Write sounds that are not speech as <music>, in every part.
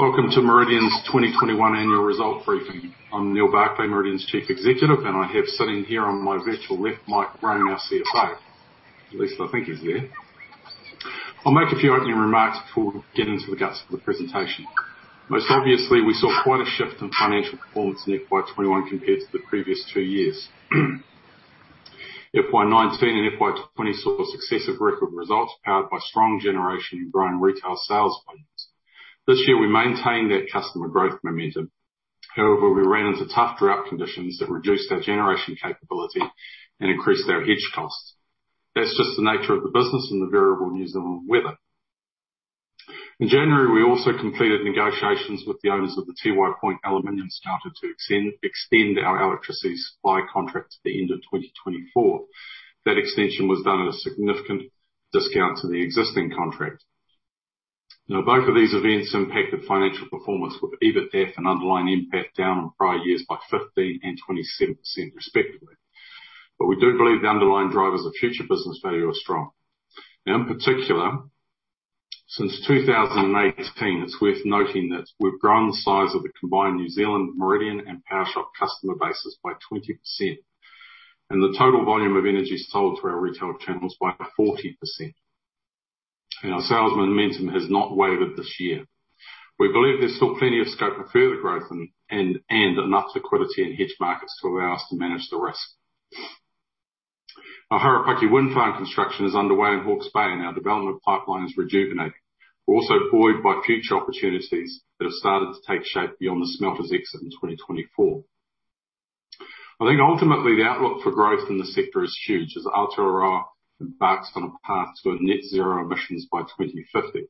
Welcome to Meridian's 2021 annual result briefing. I'm Neal Barclay, Meridian's Chief Executive, and I have sitting here on my virtual left, Mike Roan, our CFO. At least I think he's there. I'll make a few opening remarks before we get into the guts of the presentation. Most obviously, we saw quite a shift in financial performance in FY 2021 compared to the previous two years. FY 2019 and FY 2020 saw successive record results powered by strong generation and growing retail sales volumes. This year, we maintained that customer growth momentum. We ran into tough drought conditions that reduced our generation capability and increased our hedge costs. That's just the nature of the business and the variable New Zealand weather. In January, we also completed negotiations with the owners of the Tiwai Point Aluminium Smelter to extend our electricity supply contract to the end of 2024. That extension was done at a significant discount to the existing contract. Both of these events impacted financial performance with EBITDAF and underlying NPAT down on prior years by 15% and 27% respectively. We do believe the underlying drivers of future business value are strong. In particular, since 2018, it's worth noting that we've grown the size of the combined New Zealand Meridian and Powershop customer bases by 20%, and the total volume of energy sold through our retail channels by 40%. Our sales momentum has not wavered this year. We believe there's still plenty of scope for further growth and enough liquidity in hedge markets to allow us to manage the risk. Our Harapaki wind farm construction is underway in Hawke's Bay and our development pipeline is rejuvenating. We're also buoyed by future opportunities that have started to take shape beyond the smelter's exit in 2024. Ultimately, the outlook for growth in the sector is huge as Aotearoa embarks on a path to a net zero emissions by 2050.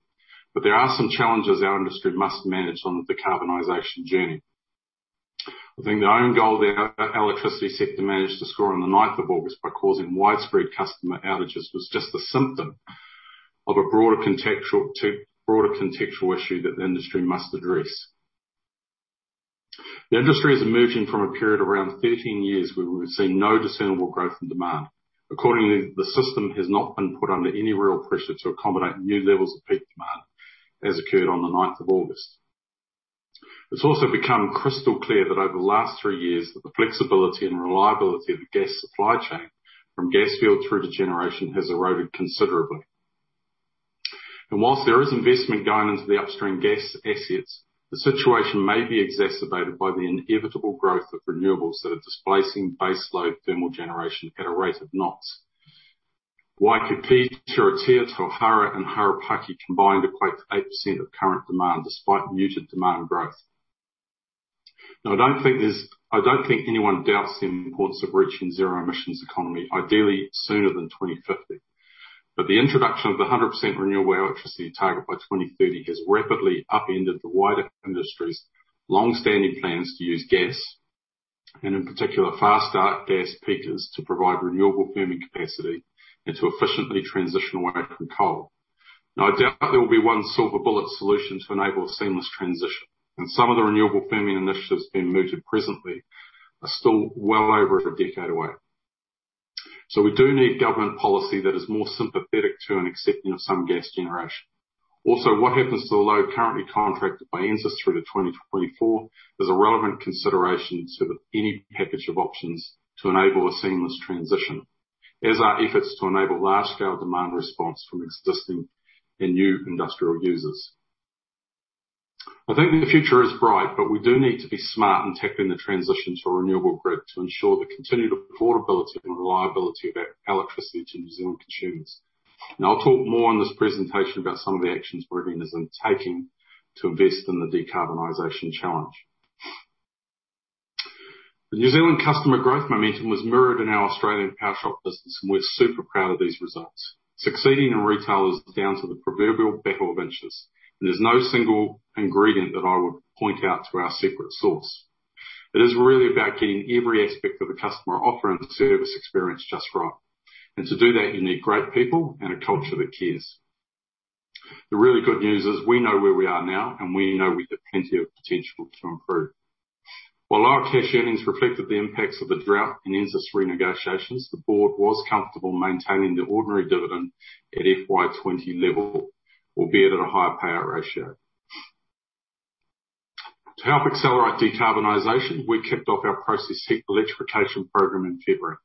There are some challenges our industry must manage on the decarbonization journey. Their own goal the electricity sector managed to score on the 9th of August by causing widespread customer outages was just a symptom of a broader contextual issue that the industry must address. The industry is emerging from a period of around 13 years where we've seen no discernible growth in demand. Accordingly, the system has not been put under any real pressure to accommodate new levels of peak demand as occurred on the 9th of August. It's also become crystal clear that over the last three years, that the flexibility and reliability of the gas supply chain from gas field through to generation has eroded considerably. Whilst there is investment going into the upstream gas assets, the situation may be exacerbated by the inevitable growth of renewables that are displacing baseload thermal generation at a rate of knots. Waikato, Turitea, Tauhara, and Harapaki combined equate to 8% of current demand despite muted demand growth. Now, I don't think anyone doubts the importance of reaching zero emissions economy, ideally sooner than 2050. The introduction of the 100% renewable electricity target by 2030 has rapidly upended the wider industry's long-standing plans to use gas, and in particular, fast-start gas peakers to provide renewable firming capacity and to efficiently transition away from coal. I doubt that there will be one silver bullet solution to enable a seamless transition, and some of the renewable firming initiatives being mooted presently are still well over a decade away. We do need government policy that is more sympathetic to and accepting of some gas generation. What happens to the load currently contracted by NZAS through to 2024 is a relevant consideration to any package of options to enable a seamless transition. As are efforts to enable large scale demand response from existing and new industrial users. I think the future is bright, but we do need to be smart in tackling the transition to a renewable grid to ensure the continued affordability and reliability of our electricity to New Zealand consumers. I'll talk more on this presentation about some of the actions Meridian is undertaking to invest in the decarbonization challenge. The New Zealand customer growth momentum was mirrored in our Australian Powershop business, and we're super proud of these results. Succeeding in retail is down to the proverbial battle of inches, and there's no single ingredient that I would point out to our secret sauce. It is really about getting every aspect of the customer offer and the service experience just right. To do that, you need great people and a culture that cares. The really good news is we know where we are now, and we know we've got plenty of potential to improve. While our cash earnings reflected the impacts of the drought and industry negotiations, the board was comfortable maintaining the ordinary dividend at FY 2020 level, albeit at a higher payout ratio. To help accelerate decarbonization, we kicked off our process heat electrification program in February,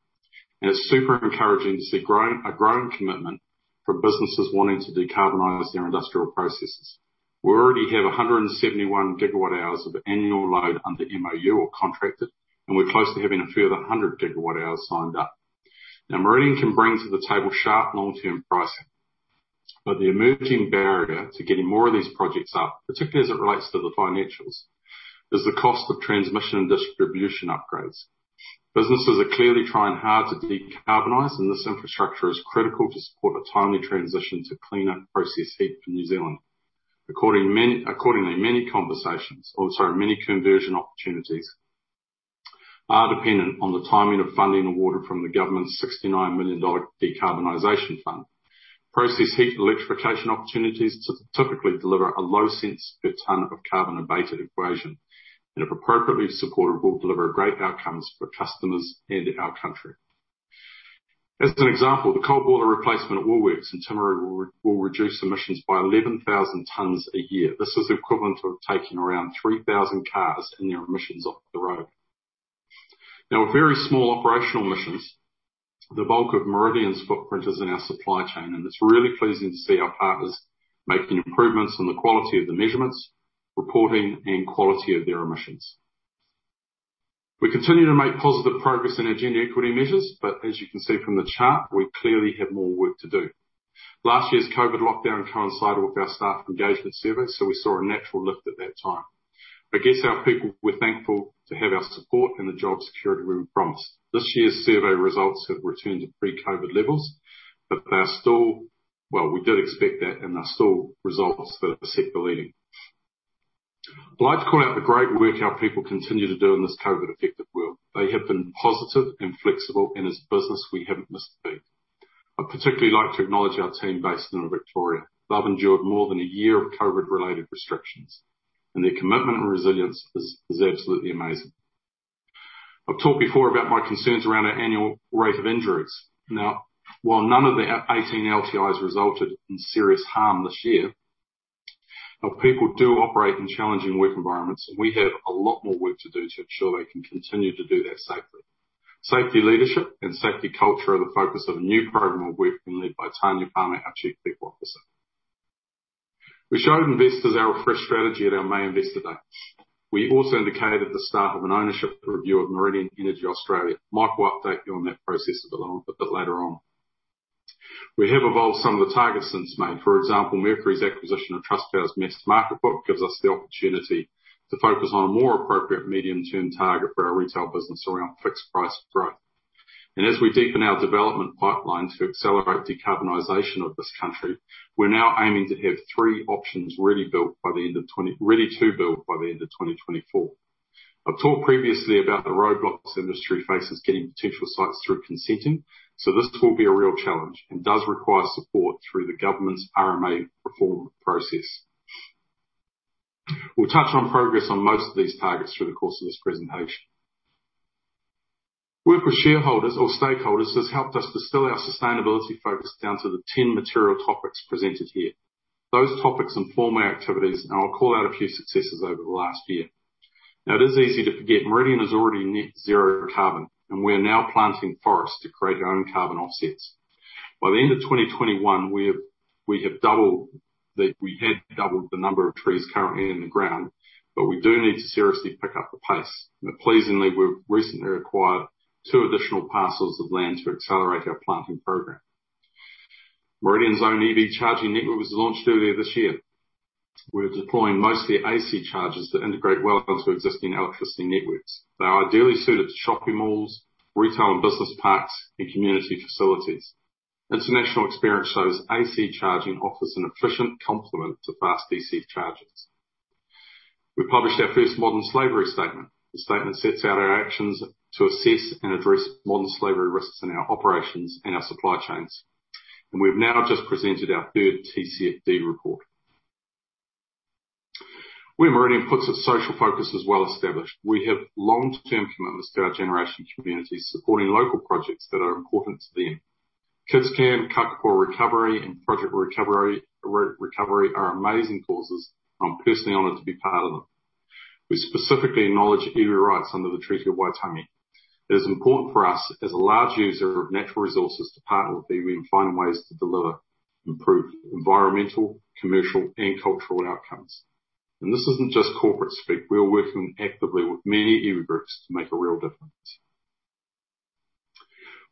and it's super encouraging to see a growing commitment from businesses wanting to decarbonize their industrial processes. We already have 171 GWh of annual load under MoU or contracted, and we're close to having a further 100 GWh signed up. Now, Meridian can bring to the table sharp long-term pricing. The emerging barrier to getting more of these projects up, particularly as it relates to the financials, is the cost of transmission and distribution upgrades. Businesses are clearly trying hard to decarbonize, and this infrastructure is critical to support a timely transition to cleaner process heat for New Zealand. Accordingly, many conversion opportunities are dependent on the timing of funding awarded from the government's 69 million dollar decarbonization fund. Process heat electrification opportunities typically deliver a low cents per ton of carbon abated equation, and if appropriately supported, will deliver great outcomes for customers and our country. As an example, the coal boiler replacement at Woolworths in Timaru will reduce emissions by 11,000 tons a year. This is the equivalent of taking around 3,000 cars and their emissions off the road. Now, with very small operational emissions, the bulk of Meridian's footprint is in our supply chain, and it's really pleasing to see our partners making improvements in the quality of the measurements, reporting, and quality of their emissions. We continue to make positive progress in our gender equity measures, but as you can see from the chart, we clearly have more work to do. Last year's COVID lockdown coincided with our staff engagement survey, so we saw a natural lift at that time. I guess our people were thankful to have our support and the job security we promised. This year's survey results have returned to pre-COVID levels. Well, we did expect that, and they're still results that are set-believing. I'd like to call out the great work our people continue to do in this COVID-affected world. They have been positive and flexible, and as a business, we haven't missed a beat. I'd particularly like to acknowledge our team based in Victoria. They've endured more than one year of COVID-related restrictions, and their commitment and resilience is absolutely amazing. I've talked before about my concerns around our annual rate of injuries. While none of the 18 LTIs resulted in serious harm this year, our people do operate in challenging work environments, and we have a lot more work to do to ensure they can continue to do that safely. Safety leadership and safety culture are the focus of a new program of work being led by Tania Palmer, our Chief People Officer. We showed investors our refreshed strategy at our May investor day. We also indicated the start of an ownership review of Meridian Energy Australia. Mike Roan will update you on that process a bit later on. We have evolved some of the targets since May. For example, Mercury's acquisition of Trustpower's mass market book gives us the opportunity to focus on a more appropriate medium-term target for our retail business around fixed price growth. As we deepen our development pipeline to accelerate decarbonization of this country, we're now aiming to have three options ready to build by the end of 2024. I've talked previously about the roadblocks the industry faces getting potential sites through consenting, this will be a real challenge and does require support through the government's RMA reform process. We'll touch on progress on most of these targets through the course of this presentation. Work with shareholders or stakeholders has helped us distill our sustainability focus down to the 10 material topics presented here. Those topics inform our activities, I'll call out a few successes over the last year. It is easy to forget Meridian is already net zero carbon, and we are now planting forests to create our own carbon offsets. By the end of 2021, we had doubled the number of trees currently in the ground, but we do need to seriously pick up the pace. Pleasingly, we've recently acquired two additional parcels of land to accelerate our planting program. Meridian's own EV charging network was launched earlier this year. We're deploying mostly AC chargers that integrate well onto existing electricity networks. They are ideally suited to shopping malls, retail and business parks, and community facilities. International experience shows AC charging offers an efficient complement to fast DC chargers. We published our first modern slavery statement. The statement sets out our actions to assess and address modern slavery risks in our operations and our supply chains. We've now just presented our third TCFD report. We at Meridian put a social focus as well established. We have long-term commitments to our generation communities, supporting local projects that are important to them. KidsCan, Kākāpō Recovery, and Project River Recovery are amazing causes. I'm personally honored to be part of them. We specifically acknowledge iwi rights under the Treaty of Waitangi. It is important for us, as a large user of natural resources, to partner with Iwi and find ways to deliver improved environmental, commercial, and cultural outcomes. This isn't just corporate speak. We are working actively with many Iwi groups to make a real difference.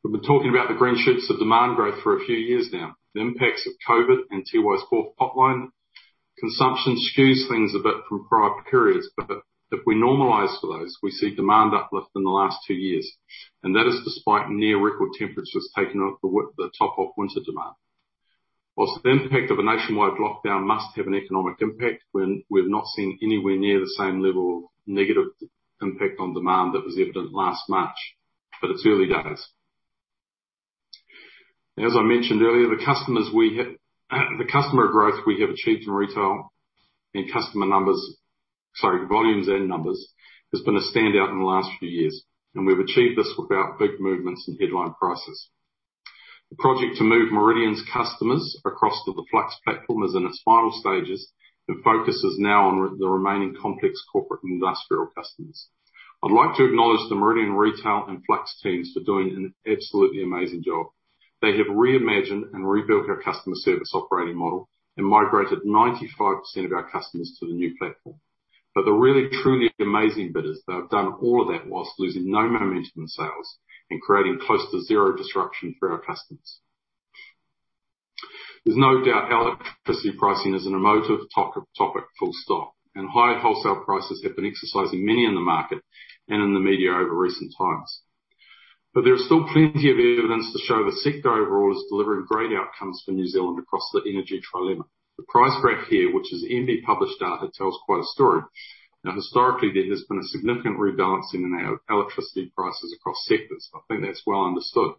We've been talking about the green shoots of demand growth for a few years now. The impacts of COVID and Tiwai's fourth potline consumption skews things a bit from prior periods. If we normalize for those, we see demand uplift in the last two years, and that is despite near record temperatures taking the top off winter demand. Whilst the impact of a nationwide lockdown must have an economic impact, we've not seen anywhere near the same level of negative impact on demand that was evident last March, but it's early days. As I mentioned earlier, the customer growth we have achieved in retail and customer volumes and numbers has been a standout in the last few years, and we've achieved this without big movements in headline prices. The project to move Meridian's customers across to the Flux platform is in its final stages and focuses now on the remaining complex corporate and industrial customers. I'd like to acknowledge the Meridian Retail and Flux teams for doing an absolutely amazing job. They have reimagined and rebuilt our customer service operating model and migrated 95% of our customers to the new platform. The really, truly amazing bit is they've done all of that whilst losing no momentum in sales and creating close to zero disruption for our customers. There's no doubt electricity pricing is an emotive topic, full stop. Higher wholesale prices have been exercising many in the market and in the media over recent times. There is still plenty of evidence to show the sector overall is delivering great outcomes for New Zealand across the energy trilemma. The price graph here, which is MBIE published data, tells quite a story. Historically, there has been a significant rebalancing in our electricity prices across sectors. I think that's well understood.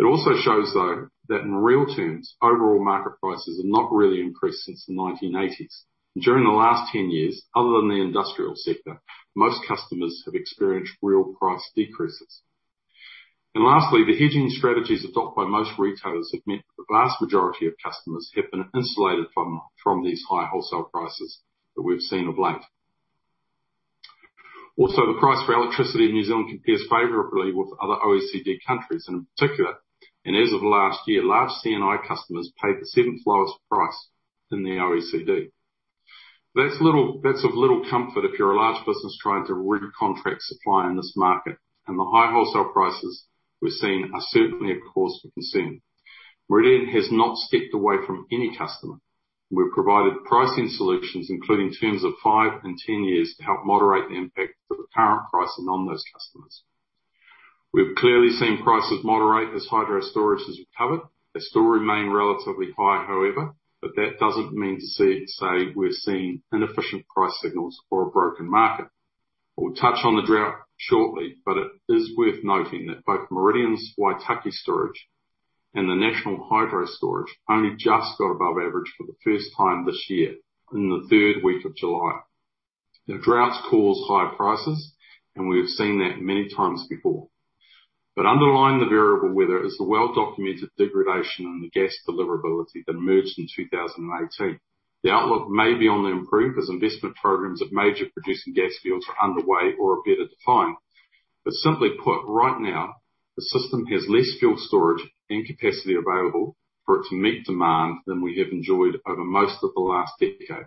It also shows, though, that in real terms, overall market prices have not really increased since the 1980s. During the last 10 years, other than the industrial sector, most customers have experienced real price decreases. Lastly, the hedging strategies adopted by most retailers have meant that the vast majority of customers have been insulated from these high wholesale prices that we've seen of late. The price for electricity in New Zealand compares favorably with other OECD countries, in particular, and as of last year, large C&I customers paid the seventh lowest price in the OECD. That's of little comfort if you're a large business trying to recontract supply in this market, and the high wholesale prices we're seeing are certainly a cause for concern. Meridian has not stepped away from any customer, and we've provided pricing solutions, including terms of five and 10 years, to help moderate the impact of the current pricing on those customers. We've clearly seen prices moderate as hydro storage has recovered. They still remain relatively high, however, but that doesn't mean to say we're seeing inefficient price signals or a broken market. We'll touch on the drought shortly, it is worth noting that both Meridian's Waitaki storage and the national hydro storage only just got above average for the first time this year in the third week of July. Droughts cause higher prices, we have seen that many times before. Underlying the variable weather is the well-documented degradation in the gas deliverability that emerged in 2018. The outlook may be on the improve as investment programs of major producing gas fields are underway or are yet to define. Simply put, right now, the system has less fuel storage and capacity available for it to meet demand than we have enjoyed over most of the last decade.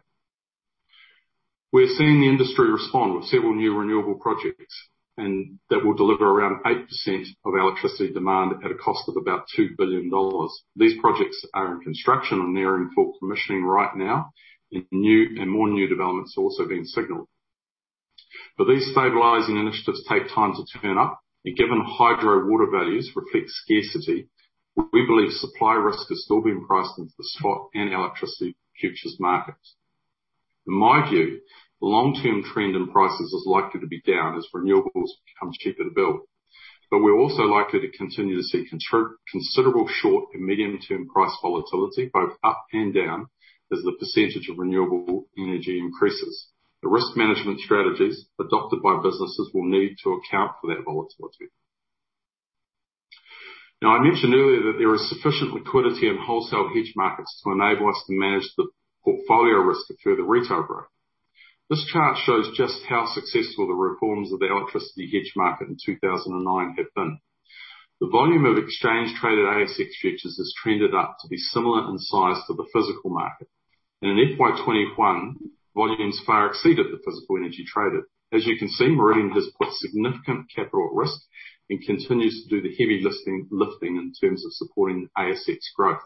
We're seeing the industry respond with several new renewable projects, that will deliver around 8% of electricity demand at a cost of about 2 billion dollars. These projects are in construction and they're in full commissioning right now, and more new developments are also being signaled. These stabilizing initiatives take time to turn up, and given hydro water values reflect scarcity, we believe supply risk is still being priced into the spot and electricity futures markets. In my view, the long-term trend in prices is likely to be down as renewables become cheaper to build. We're also likely to continue to see considerable short and medium-term price volatility, both up and down, as the percentage of renewable energy increases. The risk management strategies adopted by businesses will need to account for that volatility. I mentioned earlier that there is sufficient liquidity in wholesale hedge markets to enable us to manage the portfolio risk to further retail growth. This chart shows just how successful the reforms of the electricity hedge market in 2009 have been. The volume of exchange-traded ASX futures has trended up to be similar in size to the physical market. In FY 2021, volumes far exceeded the physical energy traded. As you can see, Meridian has put significant capital at risk and continues to do the heavy lifting in terms of supporting ASX growth.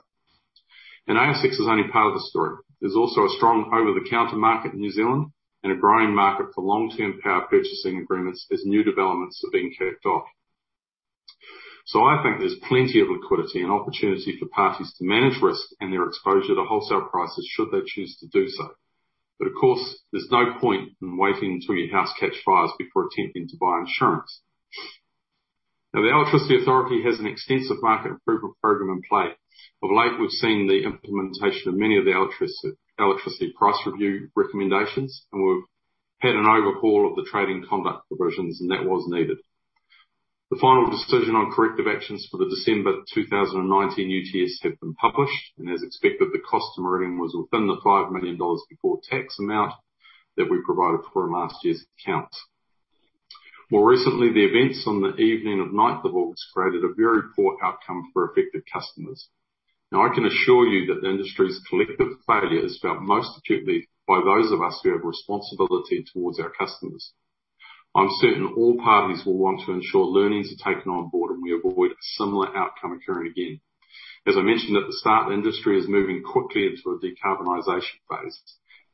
ASX is only part of the story. There's also a strong over-the-counter market in New Zealand and a growing market for long-term power purchasing agreements as new developments are being kicked off. I think there's plenty of liquidity and opportunity for parties to manage risk and their exposure to wholesale prices should they choose to do so. Of course, there's no point in waiting until your house catches fires before attempting to buy insurance. The Electricity Authority has an extensive market improvement program in play. Of late, we've seen the implementation of many of the Electricity Price Review recommendations. We've had an overhaul of the trading conduct provisions. That was needed. The final decision on corrective actions for the December 2019 UTS have been published. As expected, the cost to Meridian was within the 5 million dollars before tax amount that we provided for in last year's accounts. More recently, the events on the evening of 9th of August created a very poor outcome for affected customers. I can assure you that the industry's collective failure is felt most acutely by those of us who have a responsibility towards our customers. I'm certain all parties will want to ensure learnings are taken on board. We avoid a similar outcome occurring again. As I mentioned at the start, the industry is moving quickly into a decarbonization phase,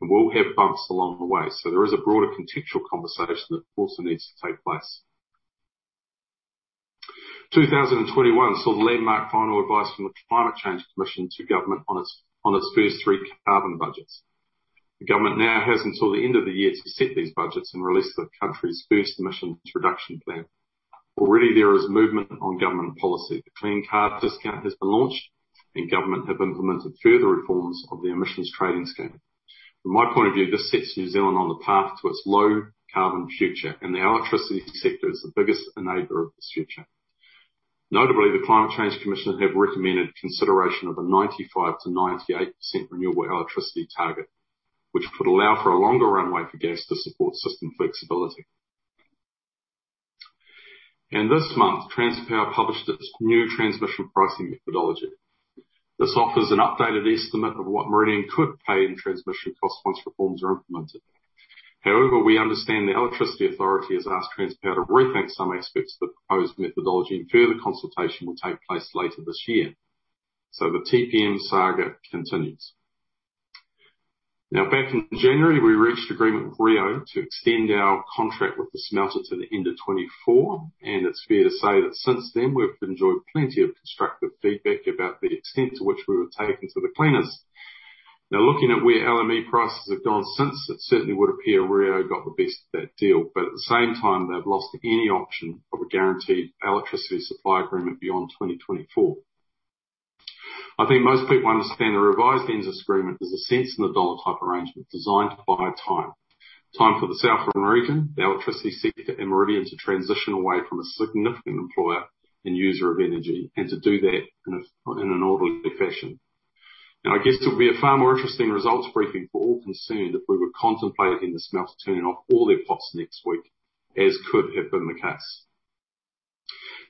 and we'll have bumps along the way. There is a broader contextual conversation that also needs to take place. 2021 saw the landmark final advice from the Climate Change Commission to government on its first three carbon budgets. The government now has until the end of the year to set these budgets and release the country's first emissions reduction plan. Already there is movement on government policy. The Clean Car Discount has been launched, and government have implemented further reforms of the Emissions Trading Scheme. From my point of view, this sets New Zealand on the path to its low carbon future, and the electricity sector is the biggest enabler of this future. Notably, the Climate Change Commission have recommended consideration of a 95%-98% renewable electricity target, which could allow for a longer runway for gas to support system flexibility. This month, Transpower published its new transmission pricing methodology. This offers an updated estimate of what Meridian could pay in transmission costs once reforms are implemented. We understand the Electricity Authority has asked Transpower to rethink some aspects of the proposed methodology, and further consultation will take place later this year. The TPM saga continues. Back in January, we reached agreement with Rio to extend our contract with the smelter to the end of 2024. It's fair to say that since then, we've enjoyed plenty of constructive feedback about the extent to which we were taken to the cleaners. Looking at where LME prices have gone since, it certainly would appear Rio got the best of that deal, at the same time, they've lost any option of a guaranteed electricity supply agreement beyond 2024. I think most people understand the revised NZ agreement is a cents in the dollar type arrangement designed to buy time. Time for the Southland region, the electricity sector, and Meridian Energy to transition away from a significant employer and user of energy, to do that in an orderly fashion. I guess it will be a far more interesting results briefing for all concerned if we were contemplating the smelter turning off all their pots next week, as could have been the case.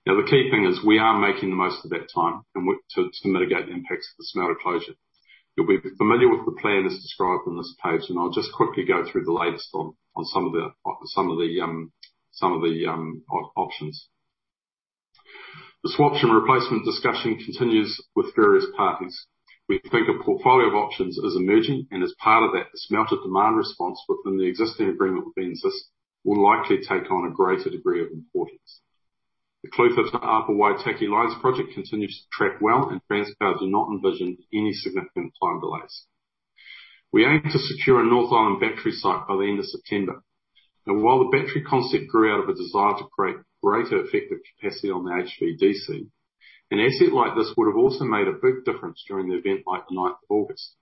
The key thing is, we are making the most of that time to mitigate the impacts of the smelter closure. You'll be familiar with the plan as described on this page, and I'll just quickly go through the latest on some of the options. The swaps and replacement discussion continues with various parties. We think a portfolio of options is emerging, and as part of that, the Smelter Demand Response within the existing agreement with NZAS will likely take on a greater degree of importance. The Clutha Upper Waitaki Lines Project continues to track well, and Transpower do not envision any significant time delays. We aim to secure a North Island battery site by the end of September. Now, while the battery concept grew out of a desire to create greater effective capacity on the HVDC, an asset like this would have also made a big difference during an event like the ninth of August.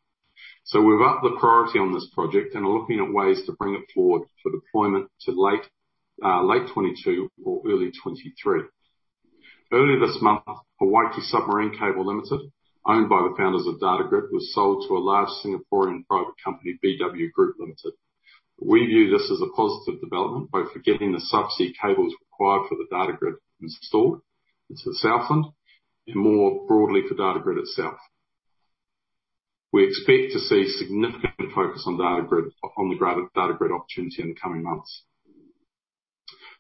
We've upped the priority on this project and are looking at ways to bring it forward for deployment to late 2022 or early 2023. Earlier this month, Hawaiki Submarine Cable Limited, owned by the founders of Datagrid, was sold to a large Singaporean private company, BW Group Limited. We view this as a positive development, both for getting the sub-sea cables required for the Datagrid installed into the Southland, and more broadly for Datagrid itself. We expect to see significant focus on the Datagrid opportunity in the coming months.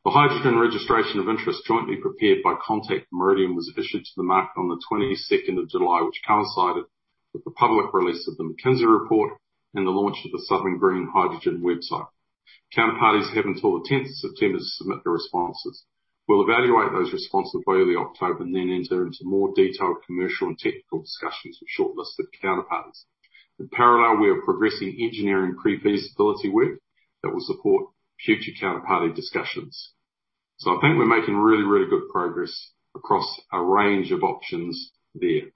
The hydrogen registration of interest jointly prepared by Contact and Meridian was issued to the market on the 22nd of July, which coincided with the public release of the McKinsey report and the launch of the Southern Green Hydrogen website. Counterparties have until the 10th of September to submit their responses. We'll evaluate those responses by early October and then enter into more detailed commercial and technical discussions with shortlisted counterparties. In parallel, we are progressing engineering pre-feasibility work that will support future counterparty discussions. I think we're making really, really good progress across a range of options there.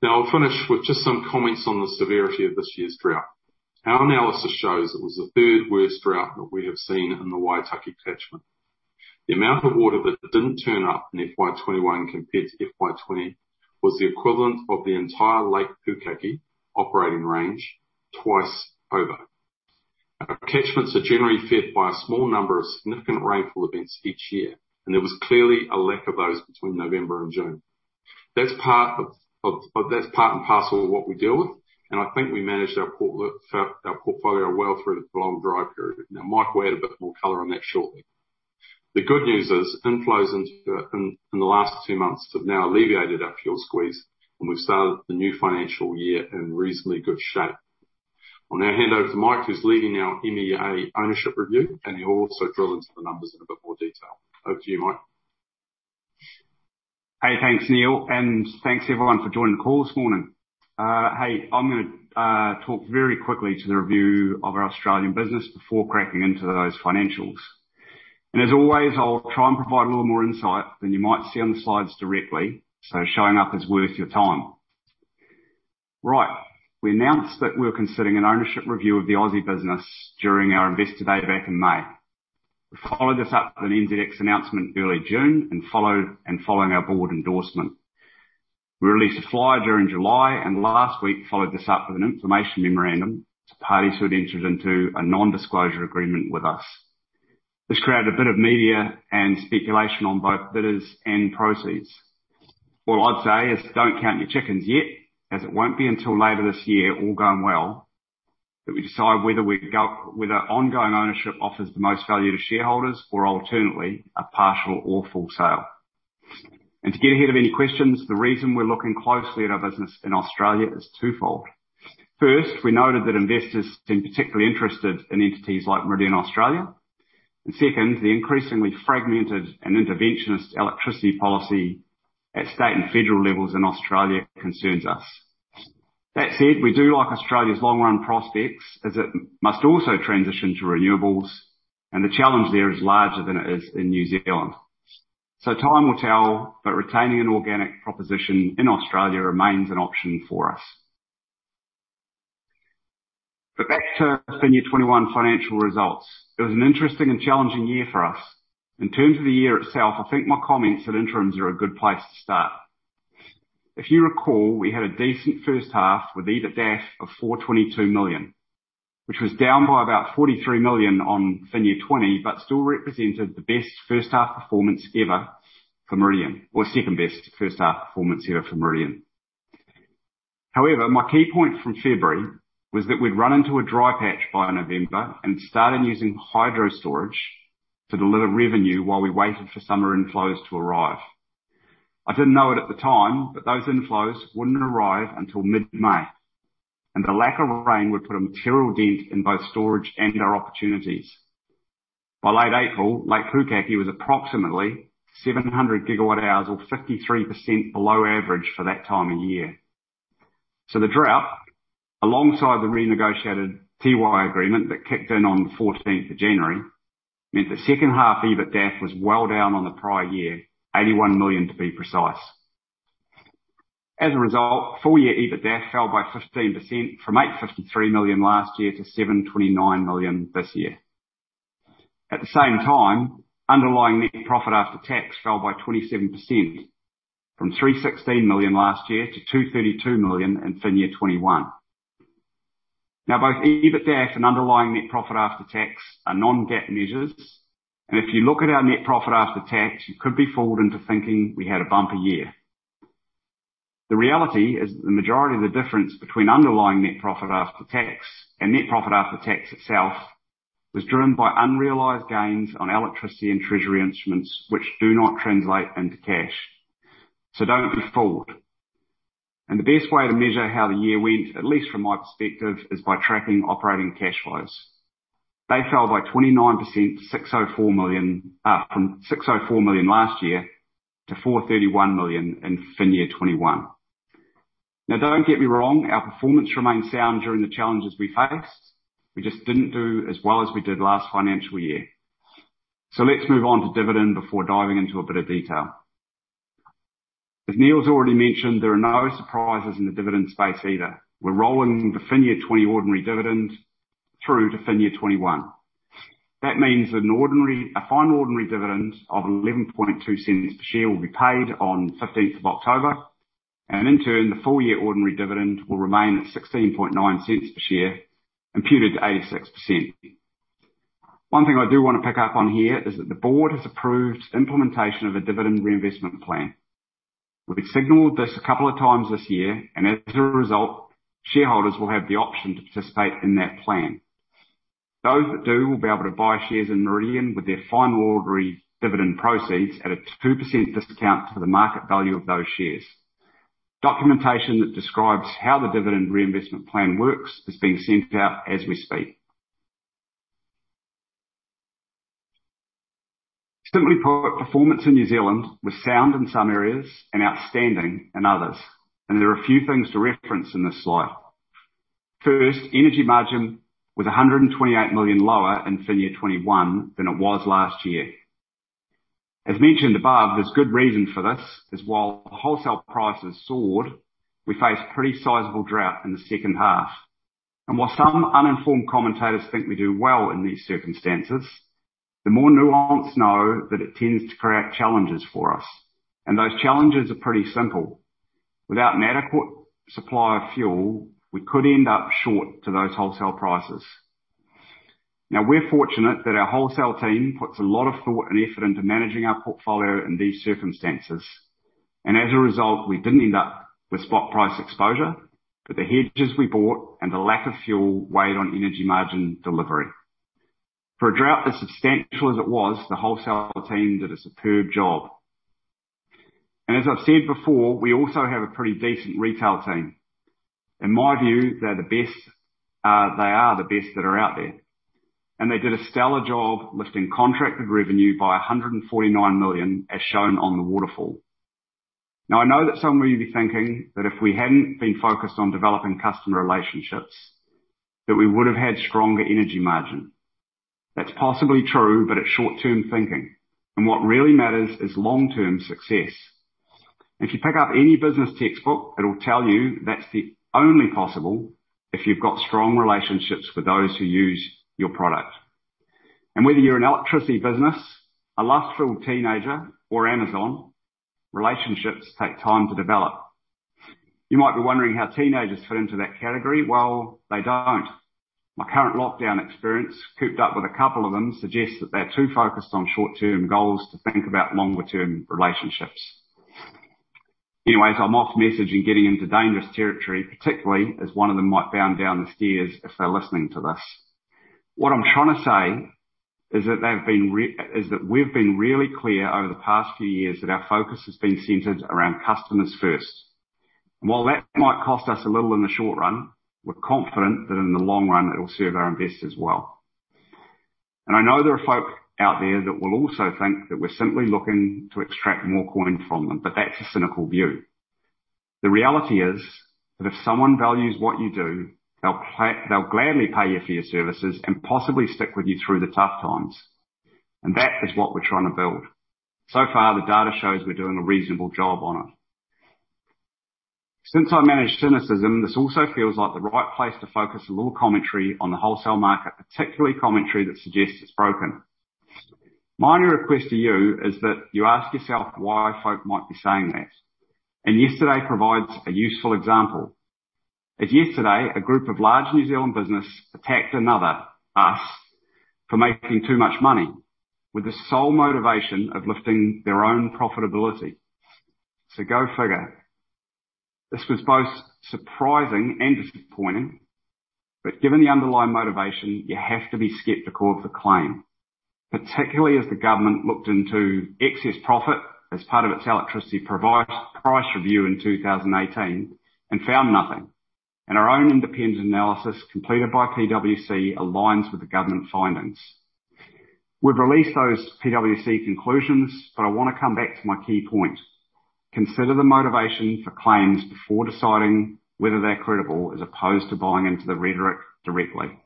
Now, I'll finish with just some comments on the severity of this year's drought. Our analysis shows it was the third worst drought that we have seen in the Waitaki catchment. The amount of water that didn't turn up in FY 2021 compared to FY 2020 was the equivalent of the entire Lake Pukaki operating range twice over. Our catchments are generally fed by a small number of significant rainfall events each year, and there was clearly a lack of those between November and June. That's part and parcel of what we deal with, and I think we managed our portfolio well through the prolonged dry period. Mike will add a bit more color on that shortly. The good news is inflows in the last two months have now alleviated our fuel squeeze, and we've started the new financial year in reasonably good shape. I'll now hand over to Mike, who's leading our MEA ownership review, and he'll also drill into the numbers in a bit more detail. Over to you, Mike. Hey, thanks, Neal Barclay, and thanks everyone for joining the call this morning. I'm gonna talk very quickly to the review of our Meridian Energy Australia business before cracking into those financials. As always, I'll try and provide a little more insight than you might see on the slides directly, so showing up is worth your time. Right. We announced that we were considering an ownership review of the Aussie business during our Investor Day back in May. We followed this up with an NZX announcement early June. Following our board endorsement, we released a flyer during July, and last week followed this up with an information memorandum to parties who had entered into a non-disclosure agreement with us. This created a bit of media and speculation on both bidders and proceeds. All I’d say is don’t count your chickens yet, as it won’t be until later this year, all going well, that we decide whether ongoing ownership offers the most value to shareholders or alternatively, a partial or full sale. To get ahead of any questions, the reason we’re looking closely at our business in Australia is twofold. First, we noted that investors seem particularly interested in entities like Meridian Energy Australia. Second, the increasingly fragmented and interventionist electricity policy at state and federal levels in Australia concerns us. That said, we do like Australia’s long run prospects, as it must also transition to renewables, and the challenge there is larger than it is in New Zealand. Time will tell, but retaining an organic proposition in Australia remains an option for us. Back to FY 2021 financial results. It was an interesting and challenging year for us. In terms of the year itself, I think my comments at interims are a good place to start. If you recall, we had a decent first half with EBITDAF of 422 million, which was down by about 43 million on FY 2020, but still represented the best first half performance ever for Meridian. Or second best first half performance ever for Meridian. However, my key point from February was that we'd run into a dry patch by November and started using hydro storage to deliver revenue while we waited for summer inflows to arrive. I didn't know it at the time, but those inflows wouldn't arrive until mid-May, and the lack of rain would put a material dent in both storage and our opportunities. By late April, Lake Pukaki was approximately 700 gigawatt hours or 53% below average for that time of year. The drought, alongside the renegotiated Tiwai agreement that kicked in on the 14th of January, meant the second half EBITDAF was well down on the prior year, 81 million to be precise. Full-year EBITDAF fell by 15%, from 853 million last year to 729 million this year. Underlying net profit after tax fell by 27%, from 316 million last year to 232 million in FY 2021. Both EBITDAF and underlying net profit after tax are non-GAAP measures, and if you look at our net profit after tax, you could be fooled into thinking we had a bumper year. The reality is that the majority of the difference between underlying net profit after tax and net profit after tax itself was driven by unrealized gains on electricity and treasury instruments, which do not translate into cash. Don't be fooled. The best way to measure how the year went, at least from my perspective, is by tracking operating cash flows. They fell by 29% from 604 million last year to 431 million in FY 2021. Don't get me wrong, our performance remained sound during the challenges we faced. We just didn't do as well as we did last financial year. Let's move on to dividend before diving into a bit of detail. As Neal's already mentioned, there are no surprises in the dividend space either. We're rolling the FY 2020 ordinary dividend through to FY 2021. That means a final ordinary dividend of 0.112 per share will be paid on 15th of October. In turn, the full-year ordinary dividend will remain at 0.169 per share, imputed to 86%. One thing I do want to pick up on here is that the board has approved implementation of a dividend reinvestment plan. We've signaled this a couple of times this year, and as a result, shareholders will have the option to participate in that plan. Those that do will be able to buy shares in Meridian with their final ordinary dividend proceeds at a 2% discount to the market value of those shares. Documentation that describes how the dividend reinvestment plan works is being sent out as we speak. Simply put, performance in New Zealand was sound in some areas and outstanding in others, there are a few things to reference in this slide. First, energy margin was 128 million lower in FY 2021 than it was last year. As mentioned above, there's good reason for this, as while wholesale prices soared, we faced pretty sizable drought in the second half. While some uninformed commentators think we do well in these circumstances, the more nuanced know that it tends to create challenges for us, and those challenges are pretty simple. Without an adequate supply of fuel, we could end up short to those wholesale prices. Now, we're fortunate that our wholesale team puts a lot of thought and effort into managing our portfolio in these circumstances, and as a result, we didn't end up with spot price exposure. The hedges we bought and the lack of fuel weighed on energy margin delivery. For a drought as substantial as it was, the wholesale team did a superb job. As I've said before, we also have a pretty decent retail team. In my view, they are the best that are out there. They did a stellar job lifting contracted revenue by 149 million, as shown on the waterfall. I know that some of you will be thinking that if we hadn't been focused on developing customer relationships, that we would have had stronger energy margin. That's possibly true, but it's short-term thinking, and what really matters is long-term success. If you pick up any business textbook, it'll tell you that's the only possible if you've got strong relationships with those who use your product. Whether you're an electricity business, a lust-filled teenager, or Amazon, relationships take time to develop. You might be wondering how teenagers fit into that category. They don't. My current lockdown experience cooped up with a couple of them suggests that they're too focused on short-term goals to think about longer term relationships. Anyways, I'm off message and getting into dangerous territory, particularly as one of them might burn down the stairs if they're listening to this. What I'm trying to say is that we've been really clear over the past few years that our focus has been centered around customers first. While that might cost us a little in the short run, we're confident that in the long run, it'll serve our investors well. I know there are folk out there that will also think that we're simply looking to extract more coin from them, but that's a cynical view. The reality is that if someone values what you do, they'll gladly pay you for your services and possibly stick with you through the tough times. That is what we're trying to build. So far, the data shows we're doing a reasonable job on it. Since I managed cynicism, this also feels like the right place to focus a little commentary on the wholesale market, particularly commentary that suggests it's broken. My only request to you is that you ask yourself why folk might be saying that, and yesterday provides a useful example. As yesterday, a group of large New Zealand business attacked another, us, for making too much money with the sole motivation of lifting their own profitability. Go figure. This was both surprising and disappointing, but given the underlying motivation, you have to be skeptical of the claim, particularly as the government looked into excess profit as part of its Electricity Price Review in 2018 and found nothing. Our own independent analysis completed by PwC aligns with the government findings. We've released those PwC conclusions, but I want to come back to my key point. Consider the motivation for claims before deciding whether they're credible as opposed to buying into the rhetoric directly.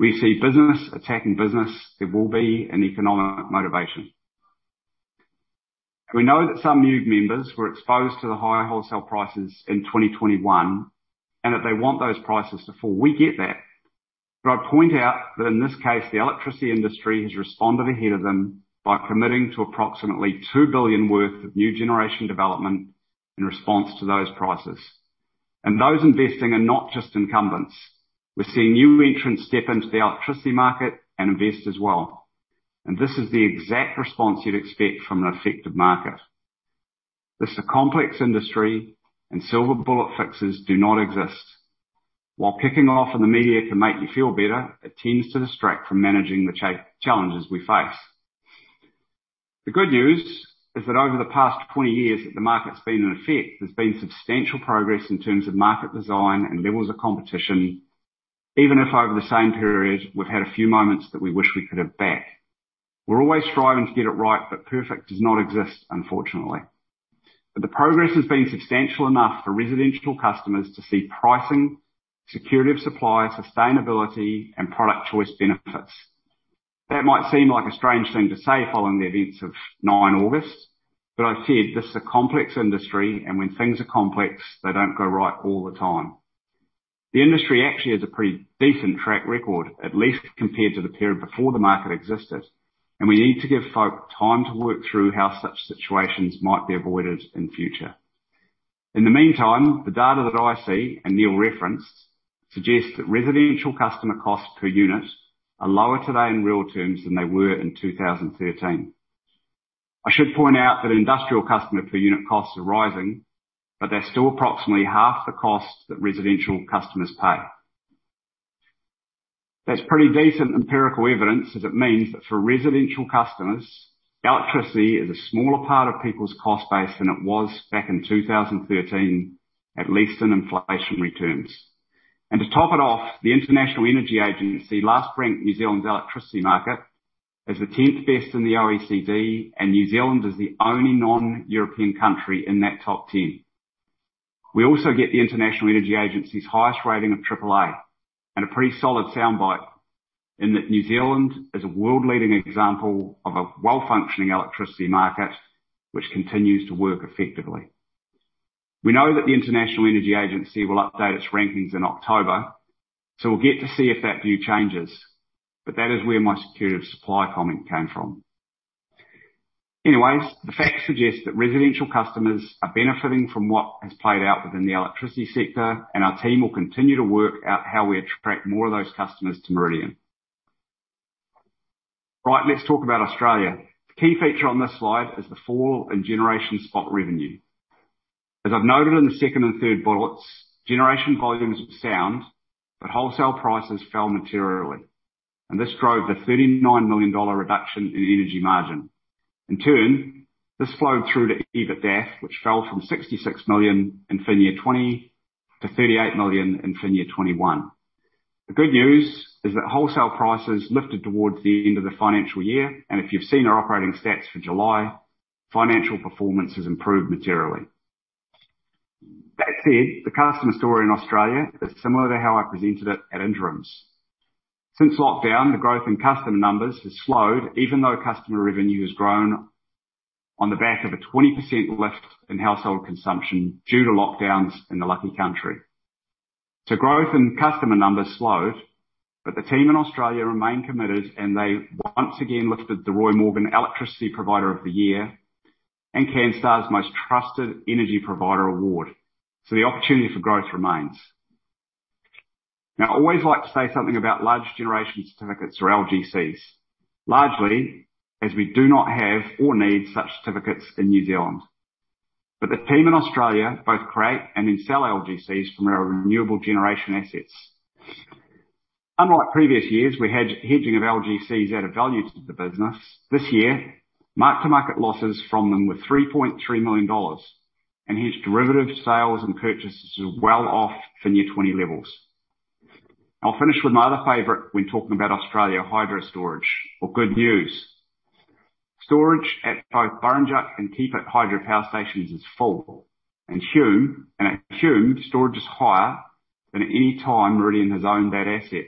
We see business attacking business, there will be an economic motivation. We know that some MEUG members were exposed to the higher wholesale prices in 2021, and that they want those prices to fall. We get that. I'd point out that in this case, the electricity industry has responded ahead of them by committing to approximately 2 billion worth of new generation development in response to those prices. Those investing are not just incumbents. We're seeing new entrants step into the electricity market and invest as well. This is the exact response you'd expect from an effective market. This is a complex industry and silver bullet fixes do not exist. While kicking off in the media can make you feel better, it tends to distract from managing the challenges we face. The good news is that over the past 20 years that the market's been in effect, there's been substantial progress in terms of market design and levels of competition, even if over the same period, we've had a few moments that we wish we could have back. We're always striving to get it right, but perfect does not exist, unfortunately. The progress has been substantial enough for residential customers to see pricing, security of supply, sustainability, and product choice benefits. That might seem like a strange thing to say following the events of 9 August, but I've said this is a complex industry and when things are complex, they don't go right all the time. The industry actually has a pretty decent track record, at least compared to the period before the market existed, and we need to give folk time to work through how such situations might be avoided in future. In the meantime, the data that I see and Neal referenced suggests that residential customer costs per unit are lower today in real terms than they were in 2013. I should point out that industrial customer per unit costs are rising, but they're still approximately half the cost that residential customers pay. That's pretty decent empirical evidence as it means that for residential customers, electricity is a smaller part of people's cost base than it was back in 2013, at least in inflationary terms. To top it off, the International Energy Agency last ranked New Zealand's electricity market as the 10th best in the OECD, and New Zealand is the only non-European country in that top team. We also get the International Energy Agency's highest rating of AAA and a pretty solid soundbite in that New Zealand is a world-leading example of a well-functioning electricity market, which continues to work effectively. We know that the International Energy Agency will update its rankings in October, we'll get to see if that view changes. That is where my security of supply comment came from. Anyways, the facts suggest that residential customers are benefiting from what has played out within the electricity sector, and our team will continue to work out how we attract more of those customers to Meridian. Right, let's talk about Australia. The key feature on this slide is the fall in generation spot revenue. As I've noted in the second and third bullets, generation volumes sound, wholesale prices fell materially, and this drove the 39 million dollar reduction in energy margin. In turn, this flowed through to EBITDAF, which fell from 66 million in FY 2020 to 38 million in FY 2021. The good news is that wholesale prices lifted towards the end of the financial year, if you've seen our operating stats for July, financial performance has improved materially. Since lockdown, the growth in customer numbers has slowed, even though customer revenue has grown on the back of a 20% lift in household consumption due to lockdowns in the lucky country. Growth in customer numbers slowed, but the team in Australia remain committed, and they once again lifted the Roy Morgan Electricity Provider of the Year and Canstar's Most Trusted Energy Provider award. I always like to say something about Large-scale Generation Certificates or LGCs. Largely, as we do not have or need such certificates in New Zealand. The team in Australia both create and then sell LGCs from our renewable generation assets. Unlike previous years, where hedging of LGCs added value to the business, this year, mark to market losses from them were 3.3 million dollars, huge derivative sales and purchases are well off FY 2020 levels. I'll finish with my other favorite when talking about Australia hydro storage or good news. Storage at both Burrinjuck and Keepit hydro power stations is full, at Hume, storage is higher than at any time Meridian has owned that asset.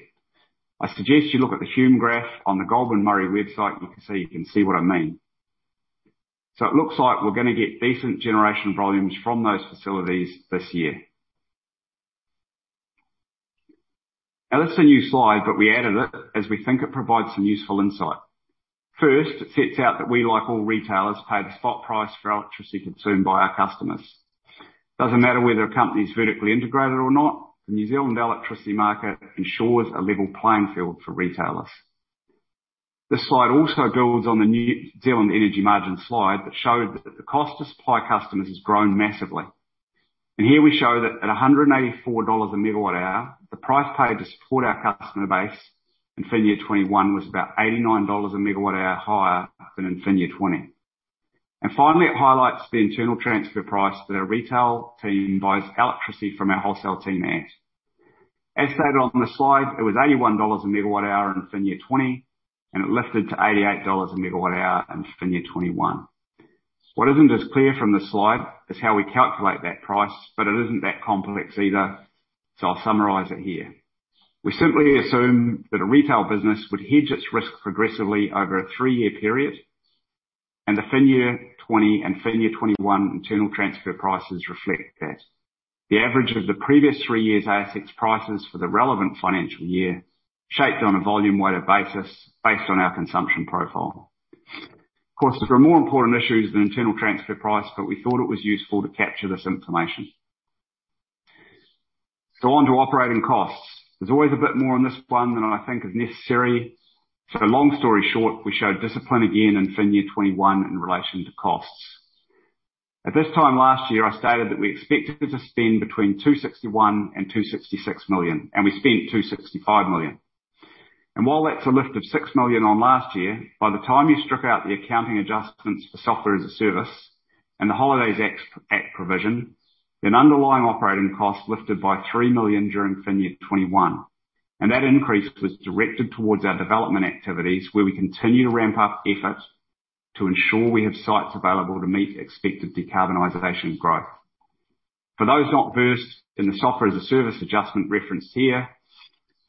I suggest you look at the Hume graph on the Goulburn-Murray website, you can see what I mean. It looks like we're gonna get decent generation volumes from those facilities this year. This is a new slide, we added it as we think it provides some useful insight. First, it sets out that we, like all retailers, pay the spot price for electricity consumed by our customers. Doesn't matter whether a company is vertically integrated or not, the New Zealand electricity market ensures a level playing field for retailers. This slide also builds on the New Zealand energy margin slide that showed that the cost to supply customers has grown massively. Here we show that at 184 dollars a megawatt hour, the price paid to support our customer base in FY 2021 was about 89 dollars a megawatt hour higher than in FY 2020. Finally, it highlights the internal transfer price that our retail team buys electricity from our wholesale team at. As stated on the slide, it was 81 dollars a megawatt hour in FY 2020, and it lifted to 88 dollars a megawatt hour in FY 2021. What isn't as clear from this slide is how we calculate that price, but it isn't that complex either, so I'll summarize it here. We simply assume that a retail business would hedge its risks progressively over a three-year period, and the FY 2020 and FY 2021 internal transfer prices reflect that. The average of the previous three years' ASX prices for the relevant financial year, shaped on a volume-weighted basis based on our consumption profile. Of course, there are more important issues than internal transfer price. We thought it was useful to capture this information. On to operating costs. There's always a bit more on this one than I think is necessary. Long story short, we showed discipline again in FY 2021 in relation to costs. At this time last year, I stated that we expected to spend between 261 million and 266 million, and we spent 265 million. While that's a lift of 6 million on last year, by the time you strip out the accounting adjustments for software as a service and the Holidays Act provision, underlying operating costs lifted by 3 million during FY 2021. That increase was directed towards our development activities where we continue to ramp up effort to ensure we have sites available to meet expected decarbonization growth. For those not versed in the software as a service adjustment referenced here,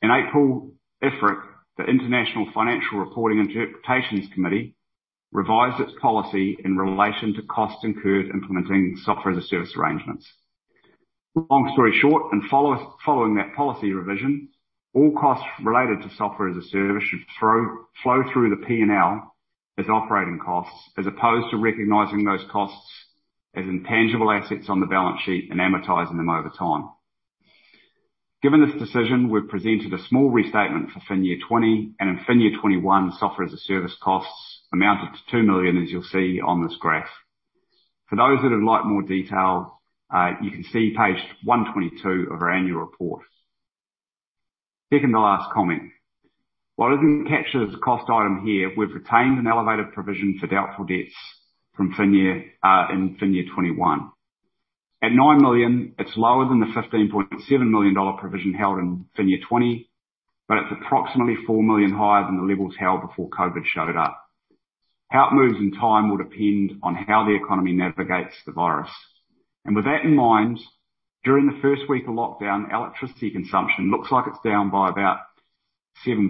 in April, IFRIC, the International Financial Reporting Interpretations Committee, revised its policy in relation to costs incurred implementing software as a service arrangements. Long story short, following that policy revision, all costs related to software as a service should flow through the P&L as operating costs, as opposed to recognizing those costs as intangible assets on the balance sheet and amortizing them over time. Given this decision, we've presented a small restatement for FY 2020 and in FY 2021, software as a service costs amounted to 2 million, as you'll see on this graph. For those that would like more detail, you can see page 122 of our annual report. Second to last comment. While it doesn't capture the cost item here, we've retained an elevated provision for doubtful debts in FY 2021. At 9 million, it's lower than the 15.7 million dollar provision held in FY 2020, but it's approximately 4 million higher than the levels held before COVID showed up. How it moves in time will depend on how the economy navigates the virus. With that in mind, during the first week of lockdown, electricity consumption looks like it is down by about 7%,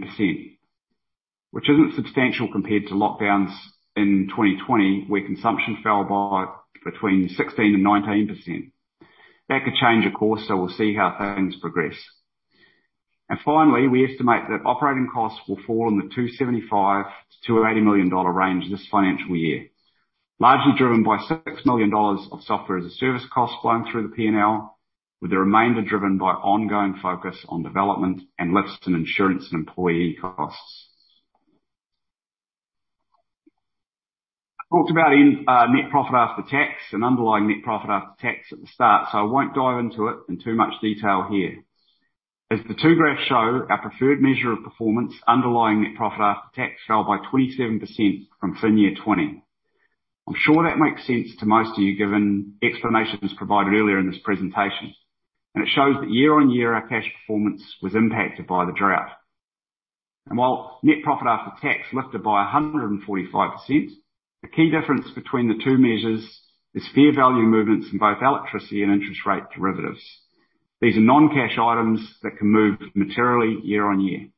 which is not substantial compared to lockdowns in 2020, where consumption fell by between 16% and 19%. That could change, of course, so we will see how things progress. Finally, we estimate that operating costs will fall in the 275 million-280 million dollar range this financial year, largely driven by 6 million dollars of software as a service costs flowing through the P&L, with the remainder driven by ongoing focus on development and lifts in insurance and employee costs. I talked about net profit after tax and underlying net profit after tax at the start, so I will not dive into it in too much detail here. As the two graphs show, our preferred measure of performance, underlying net profit after tax, fell by 27% from FY 2020. I'm sure that makes sense to most of you, given explanations provided earlier in this presentation. It shows that year-on-year, our cash performance was impacted by the drought. While net profit after tax lifted by 145%, the key difference between the two measures is fair value movements in both electricity and interest rate derivatives. These are non-cash items that can move materially year-on-year.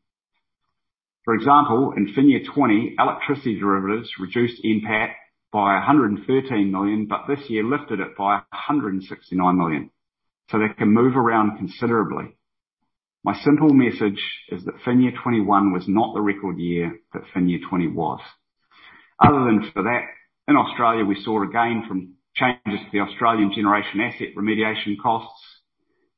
For example, in FY 2020, electricity derivatives reduced NPAT by 113 million, this year lifted it by 169 million. They can move around considerably. My simple message is that FY 2021 was not the record year that FY 2020 was. Other than for that, in Australia, we saw a gain from changes to the Australian generation asset remediation costs.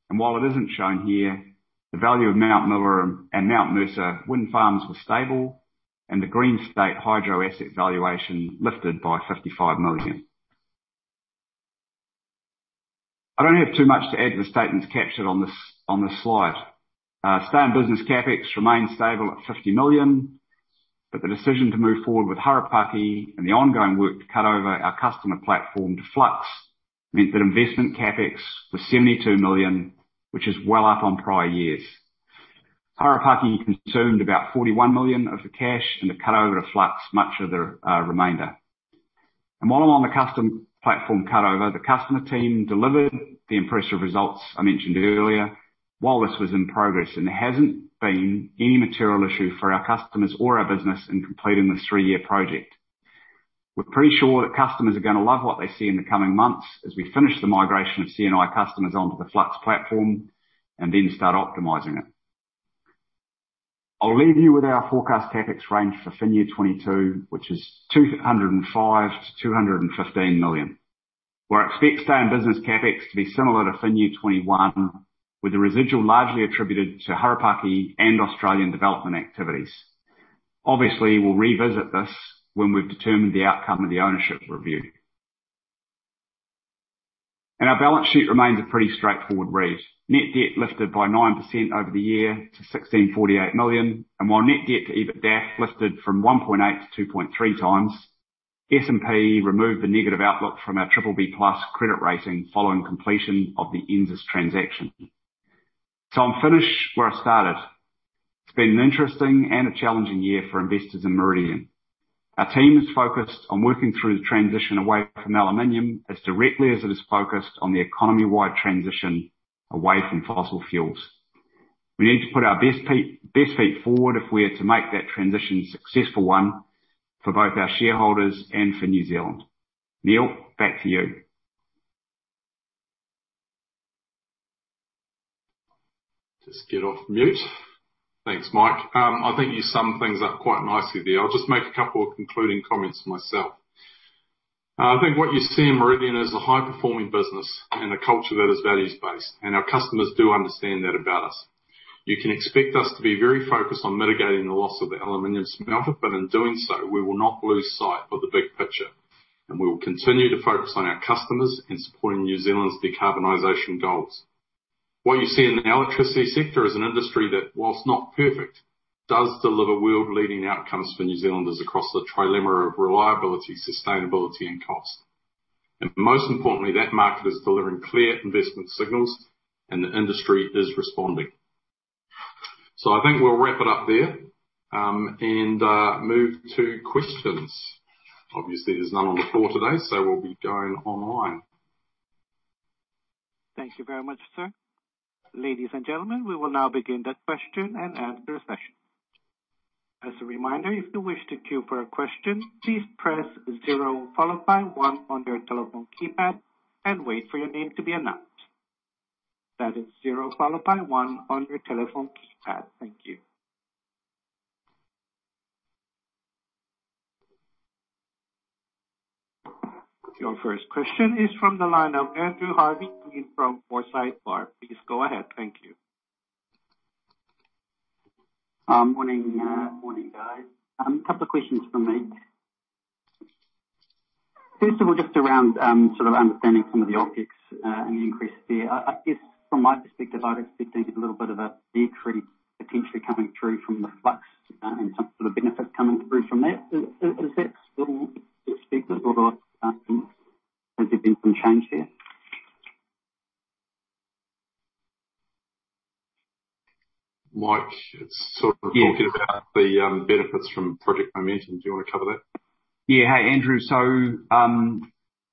While it isn't shown here, the value of Mount Millar and Mount Mercer wind farms was stable, and the Green State hydro asset valuation lifted by 55 million. I don't have too much to add to the statements captured on this slide. Stay in business CapEx remains stable at 50 million, the decision to move forward with Harapaki and the ongoing work to cut over our customer platform to Flux meant that investment CapEx was 72 million, which is well up on prior years. Harapaki consumed about 41 million of the cash, and the cut over to Flux, much of the remainder. While I'm on the customer platform cut over, the customer team delivered the impressive results I mentioned earlier while this was in progress, and there hasn't been any material issue for our customers or our business in completing this three-year project. We're pretty sure that customers are going to love what they see in the coming months as we finish the migration of C&I customers onto the Flux platform and then start optimizing it. I'll leave you with our forecast CapEx range for FY 2022, which is 205 million-215 million. I expect stay in business CapEx to be similar to FY 2021, with the residual largely attributed to Harapaki and Australian development activities. We'll revisit this when we've determined the outcome of the ownership review. Our balance sheet remains a pretty straightforward read. Net debt lifted by 9% over the year to 1,648 million. While net debt to EBITDAF lifted from 1.8x-2.3x, S&P removed the negative outlook from our BBB+ credit rating following completion of the NZAS transaction. I'll finish where I started. It's been an interesting and a challenging year for investors in Meridian. Our team is focused on working through the transition away from aluminum as directly as it is focused on the economy-wide transition away from fossil fuels. We need to put our best feet forward if we are to make that transition a successful one for both our shareholders and for New Zealand. Neal, back to you. Just get off mute. Thanks, Mike. I think you summed things up quite nicely there. I'll just make a couple of concluding comments myself. I think what you see in Meridian is a high-performing business and a culture that is values-based, and our customers do understand that about us. You can expect us to be very focused on mitigating the loss of the aluminum smelter, but in doing so, we will not lose sight of the big picture, and we will continue to focus on our customers and supporting New Zealand's decarbonization goals. What you see in the electricity sector is an industry that, whilst not perfect, does deliver world-leading outcomes for New Zealanders across the trilemma of reliability, sustainability and cost. Most importantly, that market is delivering clear investment signals and the industry is responding. I think we'll wrap it up there, and move to questions. Obviously, there's none on the floor today, so we'll be going online. Thank you very much, sir. Ladies and gentlemen, we will now begin the question-and-answer session. As a reminder, if you wish to queue for a question, please press zero followed by one on your telephone keypad and wait for your name to be announced. That is zero followed by one on your telephone keypad. Thank you. Your first question is from the line of Andrew Harvey-Green from Forsyth Barr. Please go ahead. Thank you. Morning. Morning, guys. A couple of questions from me. First of all, just around sort of understanding some of the OpEx and the increased there. I guess from my perspective, I'd expect there's a little bit of a decrease potentially coming through from the Flux, and some sort of benefit coming through from that. Is that still the case? Or has there been some change there? Mike- Yeah. talking about the benefits from Project Momentum. Do you want to cover that? Hey, Andrew.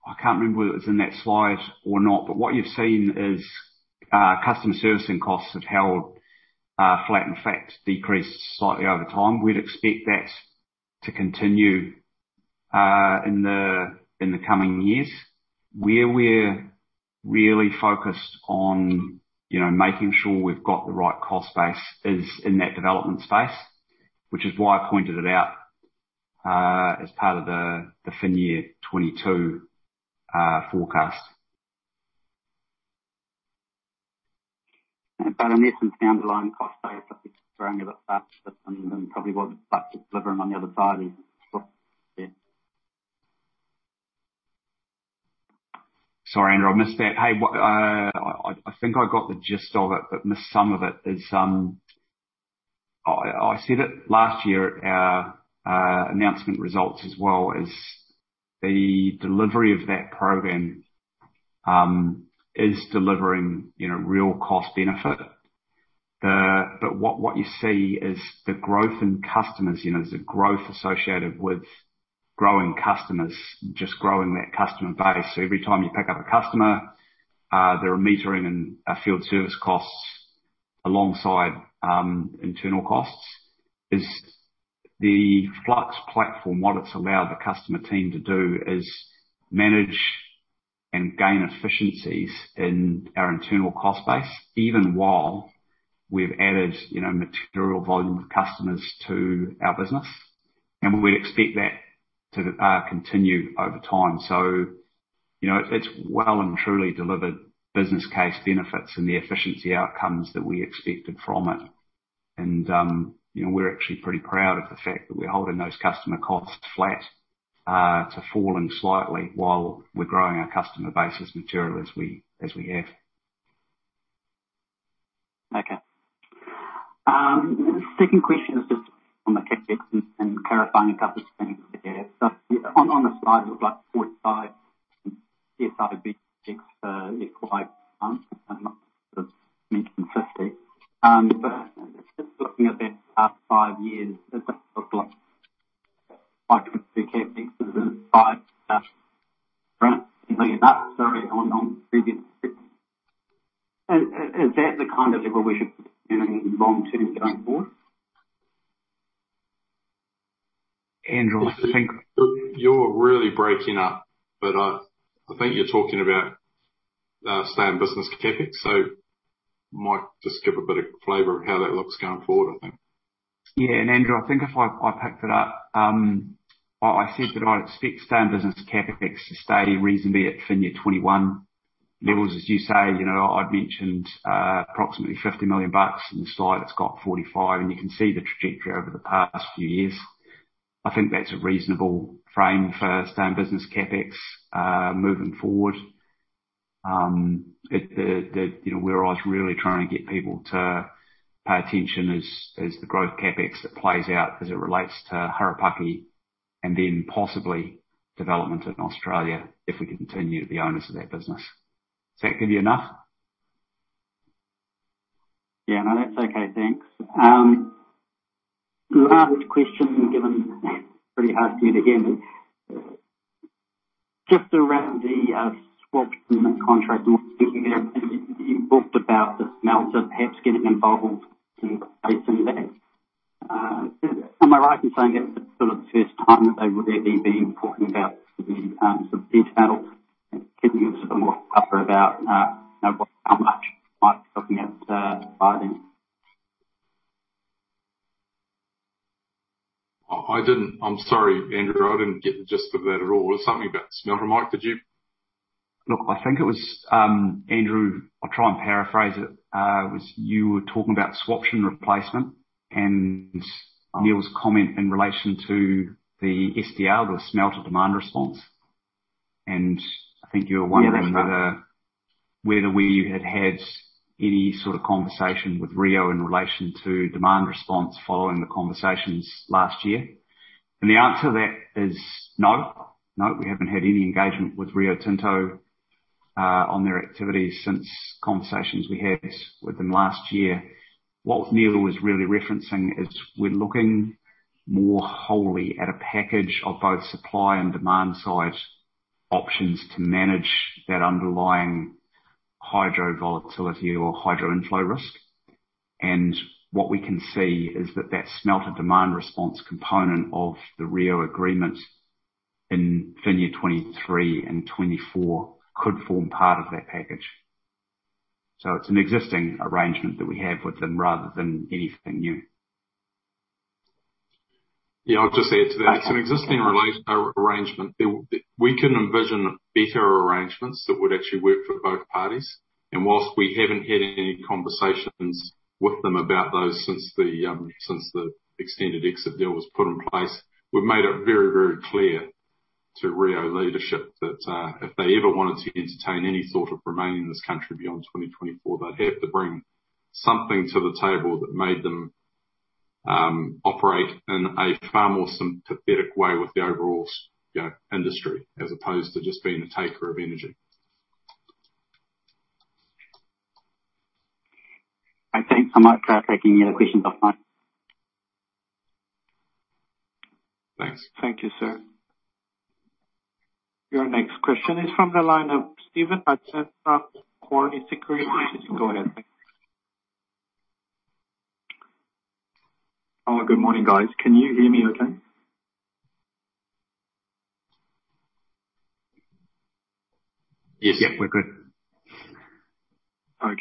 I can't remember whether it was in that slide or not, but what you've seen is customer servicing costs have held flat. In fact, decreased slightly over time. We'd expect that to continue in the coming years. Where we're really focused on making sure we've got the right cost base is in that development space, which is why I pointed it out, as part of the FY 2022 forecast. In essence, the underlying cost base growing a bit faster than probably what the <audio distortion> are delivering on the other side. <audio distortion> Sorry, Andrew, I missed that. Hey, I think I got the gist of it, but missed some of it. I said it last year at our announcement results as well as the delivery of that program, is delivering real cost benefit. What you see is the growth in customers, there's a growth associated with growing customers, just growing that customer base. Every time you pick up a customer, their metering and field service costs alongside internal costs. The Flux platform, what it's allowed the customer team to do is manage and gain efficiencies in our internal cost base, even while we've added material volume of customers to our business. We'd expect that to continue over time. It's well and truly delivered business case benefits and the efficiency outcomes that we expected from it. We're actually pretty proud of the fact that we're holding those customer costs flat to falling slightly while we're growing our customer base as material as we have. Okay. Second question is just on the CapEx and clarifying a couple of things. On the slide, it was like NZD 45 <audio distortion> funds. Not sort of mentioned 50. Just looking at that past five years, does that look like? <audio distortion> Sorry, on previous. Is that the kind of level we should be doing long term going forward? Andrew. You're really breaking up. I think you're talking about stay in business CapEx. Mike, just give a bit of flavor of how that looks going forward, I think. Yeah. Andrew, I think if I picked it up, I said that I'd expect stay in business CapEx to stay reasonably at FY 2021 levels. As you say, I'd mentioned approximately 50 million bucks, the slide it's got 45, you can see the trajectory over the past few years. I think that's a reasonable frame for stay in business CapEx, moving forward. Where I was really trying to get people to pay attention is the growth CapEx that plays out as it relates to Harapaki, then possibly development in Australia, if we continue to be owners of that business. Does that give you enough? Yeah. No, that's okay, thanks. The last question, given it's pretty hard for you to hear me. Just around the swap contract and what you thinking there. You talked about the smelter perhaps getting involved in placing that. Am I right in saying that was the first time that they've really been talking about the details and giving you a sort of more color about how much Mike is looking at providing? I'm sorry, Andrew, I didn't get the gist of that at all. It was something about the smelter. Mike, did you? Look, I think it was, Andrew, I'll try and paraphrase it. It was you were talking about swap and replacement and Neal's comment in relation to the SDR, the Smelter Demand Response- Yeah. That's better. whether we had had any sort of conversation with Rio in relation to demand response following the conversations last year. The answer to that is no. No, we haven't had any engagement with Rio Tinto on their activities since conversations we had with them last year. What Neal was really referencing is we're looking more wholly at a package of both supply and demand side options to manage that underlying hydro volatility or hydro inflow risk. What we can see is that that Smelter Demand Response component of the Rio agreement in fiscal year 2023 and 2024 could form part of that package. It's an existing arrangement that we have with them rather than anything new. Yeah. I'll just add to that. It's an existing arrangement. We can envision better arrangements that would actually work for both parties, and whilst we haven't had any conversations with them about those since the extended exit deal was put in place, we've made it very clear to Rio leadership that, if they ever wanted to entertain any thought of remaining in this country beyond 2024, they'd have to bring something to the table that made them operate in a far more sympathetic way with the overall industry, as opposed to just being a taker of energy. Okay, thanks so much for taking the questions offline. Thanks. Thank you, sir. Your next question is from the line of Steven <audio distortion> Securities. Go ahead. Good morning, guys. Can you hear me okay? Yes. Yep, we're good. I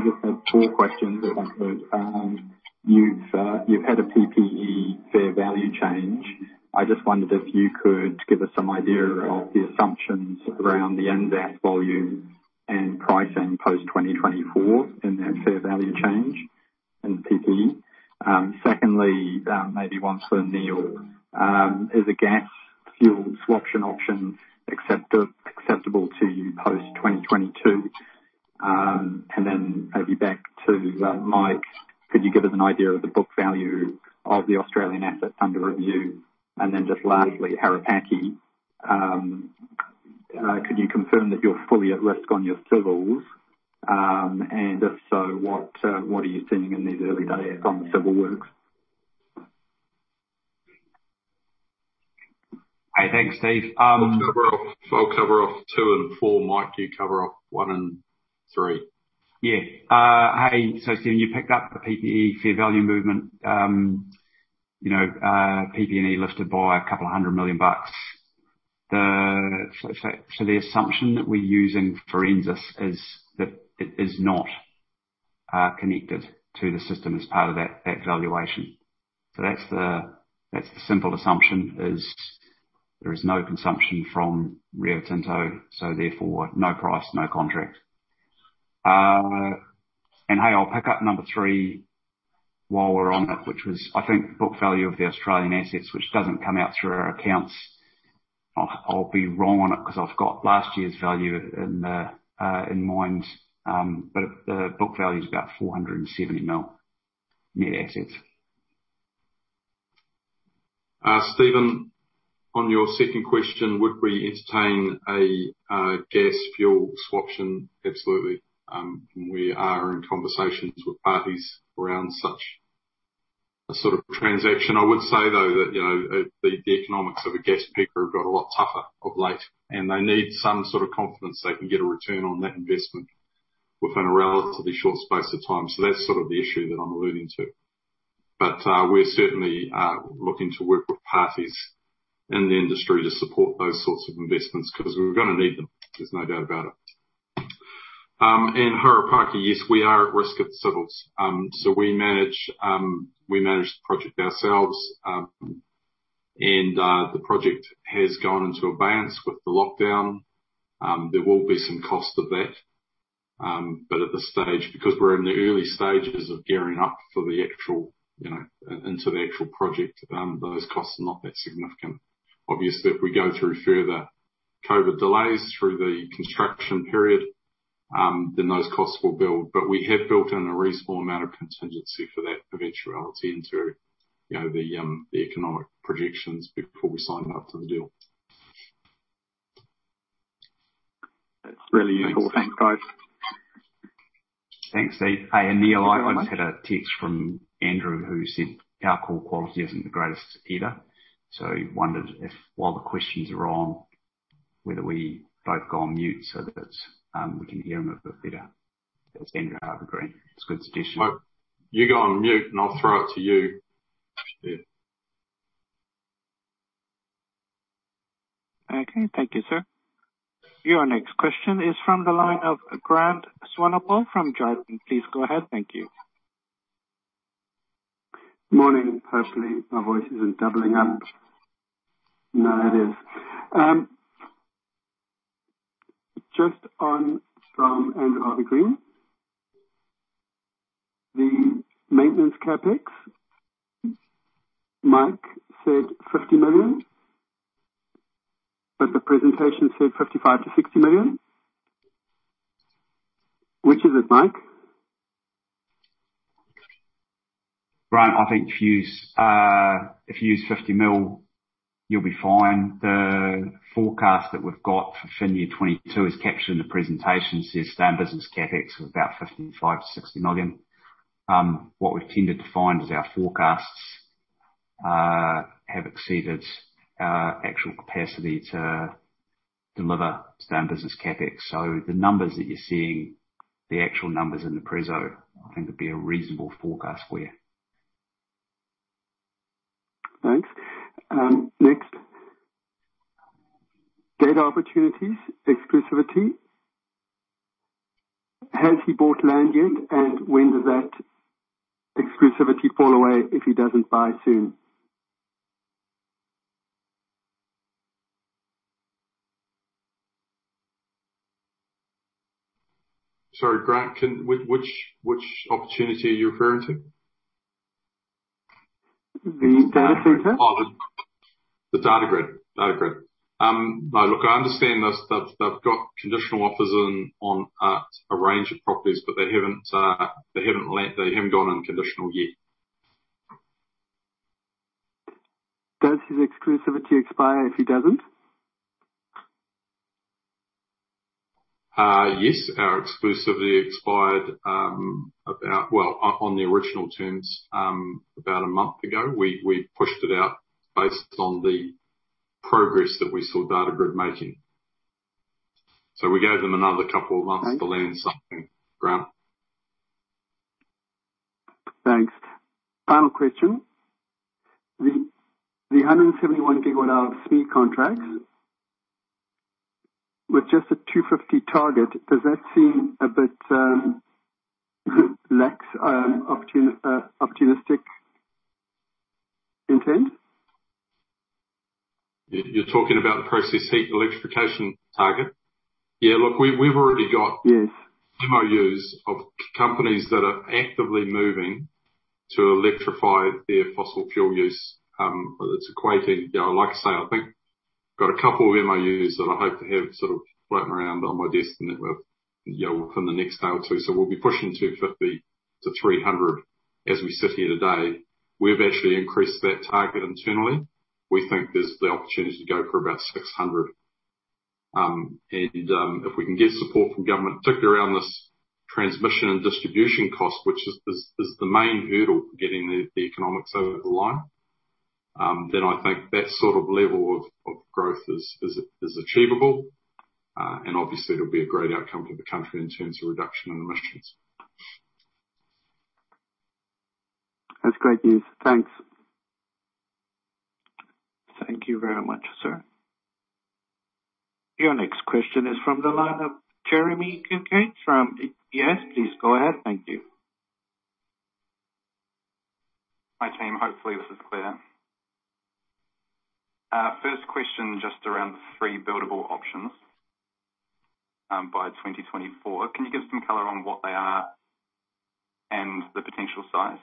just have four questions if I could. You've had a PP&E fair value change. I just wondered if you could give us some idea of the assumptions around the NZAS volume and pricing post-2024 in that fair value change in PP&E. Secondly, maybe one for Neal. Is a gas fuel swap option acceptable to you post 2022? Then maybe back to Mike, could you give us an idea of the book value of the Australian assets under review? Then just lastly, Harapaki. Could you confirm that you're fully at risk on your civils? And if so, what are you seeing in these early days on the civil works? Hey, thanks, Steven. I'll cover off two and four. Mike, you cover off one and three. Hey, Steven, you picked up the PP&E fair value movement. PP&E lifted by 200 million bucks. The assumption that we're using for NZAS is that it is not connected to the system as part of that valuation. That's the simple assumption is there is no consumption from Rio Tinto, therefore no price, no contract. Hey, I'll pick up number three while we're on it, which was, I think, book value of the Australian assets, which doesn't come out through our accounts. I'll be wrong on it because I've got last year's value in mind. The book value is about 470 million net assets. Steven, on your second question, would we entertain a gas fuel swap option? Absolutely. We are in conversations with parties around such a sort of transaction. I would say, though, that the economics of a gas peaker have got a lot tougher of late, and they need some sort of confidence they can get a return on that investment within a relatively short space of time. That's sort of the issue that I'm alluding to. We're certainly looking to work with parties in the industry to support those sorts of investments because we're going to need them. There's no doubt about it. Harapaki, yes, we are at risk at the civils. We manage the project ourselves, and the project has gone into abeyance with the lockdown. There will be some cost of that. At this stage, because we're in the early stages of gearing up into the actual project, those costs are not that significant. Obviously, if we go through further COVID delays through the construction period, then those costs will build. We have built in a reasonable amount of contingency for that eventuality into the economic projections before we signed up to the deal. That's really useful. Thanks, guys. Thanks, Steven. Hey, Neal, I just had a text from Andrew who said our call quality isn't the greatest either. He wondered if, while the questions are on, whether we both go on mute so that we can hear him a bit better. Andrew Harvey-Green, I would agree. It's a good suggestion. You go on mute and I'll throw it to you. Yeah. Okay. Thank you, sir. Your next question is from the line of Grant Swanepoel from Jarden. Please go ahead. Thank you. Morning. Hopefully my voice isn't doubling up. It is. Just on from Andrew Harvey-Green. The maintenance CapEx. Mike said 50 million, but the presentation said 55 million-60 million. Which is it, Mike? Brian, I think if you use 50 million, you'll be fine. The forecast that we've got for FY 2022 is captured in the presentation, says standard business CapEx of about 55 million-60 million. What we've tended to find is our forecasts have exceeded our actual capacity to deliver standard business CapEx. The numbers that you're seeing, the actual numbers in the preso, I think would be a reasonable forecast for you. Thanks. Next, data opportunities, exclusivity. Has he bought land yet? When does that exclusivity fall away if he doesn't buy soon? Sorry, Grant, which opportunity are you referring to? The data center. Oh, the Datagrid. Datagrid. No, look, I understand this. They've got conditional offers in on a range of properties, but they haven't gone unconditional yet. Does his exclusivity expire if he doesn't? Yes. Our exclusivity expired on the original terms about one month ago. We pushed it out based on the progress that we saw Datagrid making. We gave them another two months to land something, Grant. Thanks. Final question. The 171 GWh heat contracts with just a 250 target, does that seem a bit lax opportunistic intent? You're talking about the process heat electrification target? Yeah, look. Yes MOUs of companies that are actively moving to electrify their fossil fuel use. Whether it's equating Like I say, I think got a couple of MOUs that I hope to have sort of floating around on my desk within the next day or two. We'll be pushing 250-300 as we sit here today. We've actually increased that target internally. We think there's the opportunity to go for about 600. If we can get support from government, particularly around this transmission and distribution cost, which is the main hurdle for getting the economics over the line, then I think that sort of level of growth is achievable. Obviously it'll be a great outcome for the country in terms of reduction in emissions. That's great news. Thanks. Thank you very much, sir. Your next question is from the line of Jeremy Kincaid from UBS. Please go ahead. Thank you. Hi, team. Hopefully this is clear. First question, just around the three buildable options by 2024. Can you give some color on what they are and the potential size?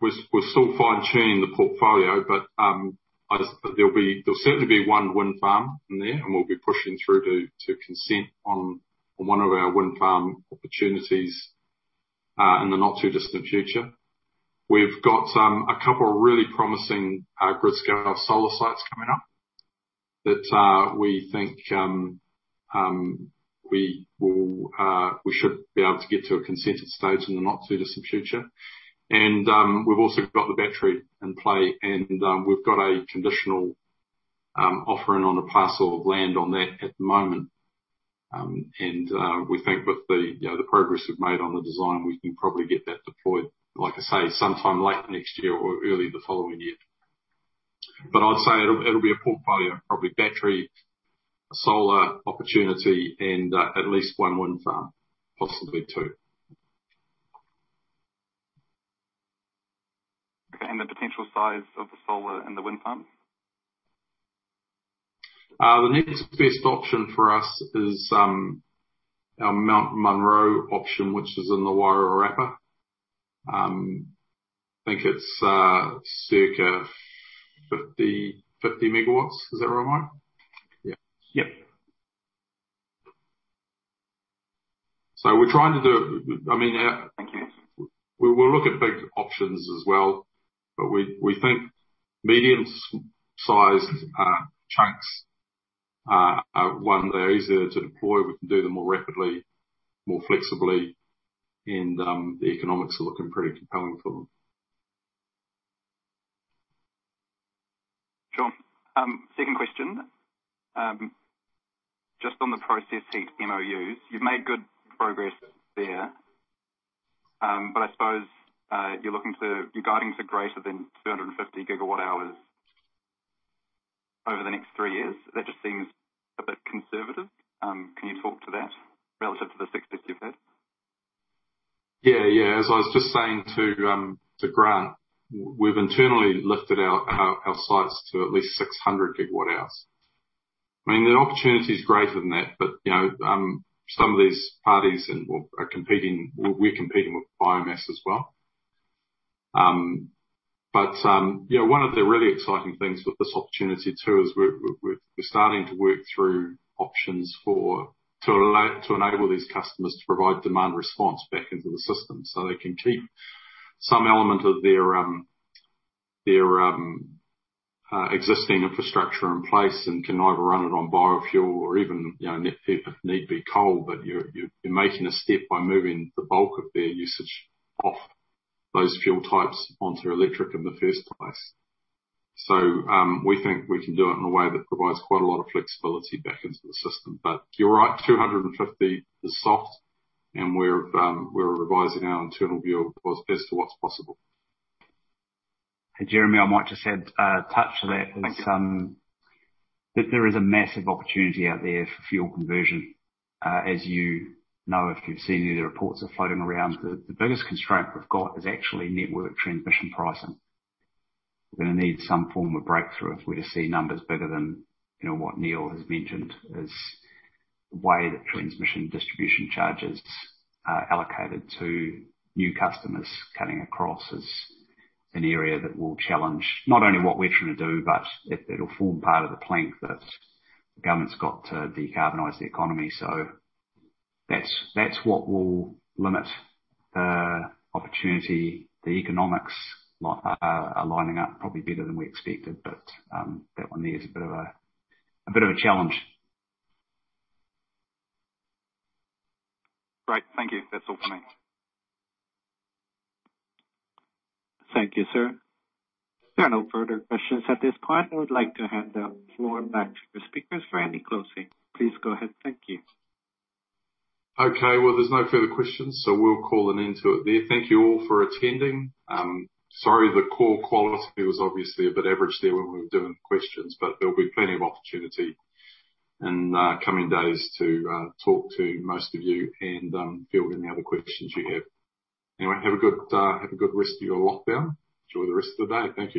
We're still fine-tuning the portfolio, but there'll certainly be one wind farm in there, and we'll be pushing through to consent on one of our wind farm opportunities, in the not too distant future. We've got a couple of really promising grid-scale solar sites coming up that we think we should be able to get to a consented state in the not too distant future. We've also got the battery in play and we've got a conditional offering on a parcel of land on that at the moment. We think with the progress we've made on the design, we can probably get that deployed, like I say, sometime late next year or early the following year. I'd say it'll be a portfolio of probably battery, solar opportunity and at least one wind farm, possibly two. The potential size of the solar and the wind farms? The next best option for us is our Mount Munro option, which is in the Wairarapa. I think it's circa 50 MW. Is that right, Mike? Yeah. Yep. We're trying to do Thank you. We will look at big options as well, but we think medium-sized chunks are one, they're easier to deploy, we can do them more rapidly, more flexibly, and the economics are looking pretty compelling for them. Sure. Second question. Just on the process heat MOUs, you've made good progress there. I suppose your guidings are greater than 250 gigawatt hours over the next three years. That just seems a bit conservative. Can you talk to that relative to the success you've had? Yeah. As I was just saying to Grant, we've internally lifted our sights to at least 600 gigawatt hours. The opportunity is greater than that, some of these parties we're competing with biomass as well. One of the really exciting things with this opportunity, too, is we're starting to work through options to enable these customers to provide demand response back into the system, so they can keep some element of their existing infrastructure in place and can either run it on biofuel or even, if need be, coal. You're making a step by moving the bulk of their usage off those fuel types onto electric in the first place. We think we can do it in a way that provides quite a lot of flexibility back into the system. You're right, 250 is soft and we're revising our internal view as to what's possible. Jeremy, I might just add a touch to that is that there is a massive opportunity out there for fuel conversion. As you know, if you've seen any of the reports that are floating around, the biggest constraint we've got is actually network transmission pricing. We're going to need some form of breakthrough if we're to see numbers bigger than what Neal has mentioned as the way that transmission distribution charges are allocated to new customers cutting across is an area that will challenge not only what we're trying to do, but it'll form part of the plank that the government's got to decarbonize the economy. That's what will limit the opportunity. The economics are lining up probably better than we expected, but that one there is a bit of a challenge. Great. Thank you. That's all for me. Thank you, sir. There are no further questions at this point. I would like to hand the floor back to the speakers for any closing. Please go ahead. Thank you. Okay. Well, there's no further questions, we'll call an end to it there. Thank you all for attending. Sorry, the call quality was obviously a bit average there when we were doing questions, there'll be plenty of opportunity in the coming days to talk to most of you and fill any other questions you have. Anyway, have a good rest of your lockdown. Enjoy the rest of the day. Thank you.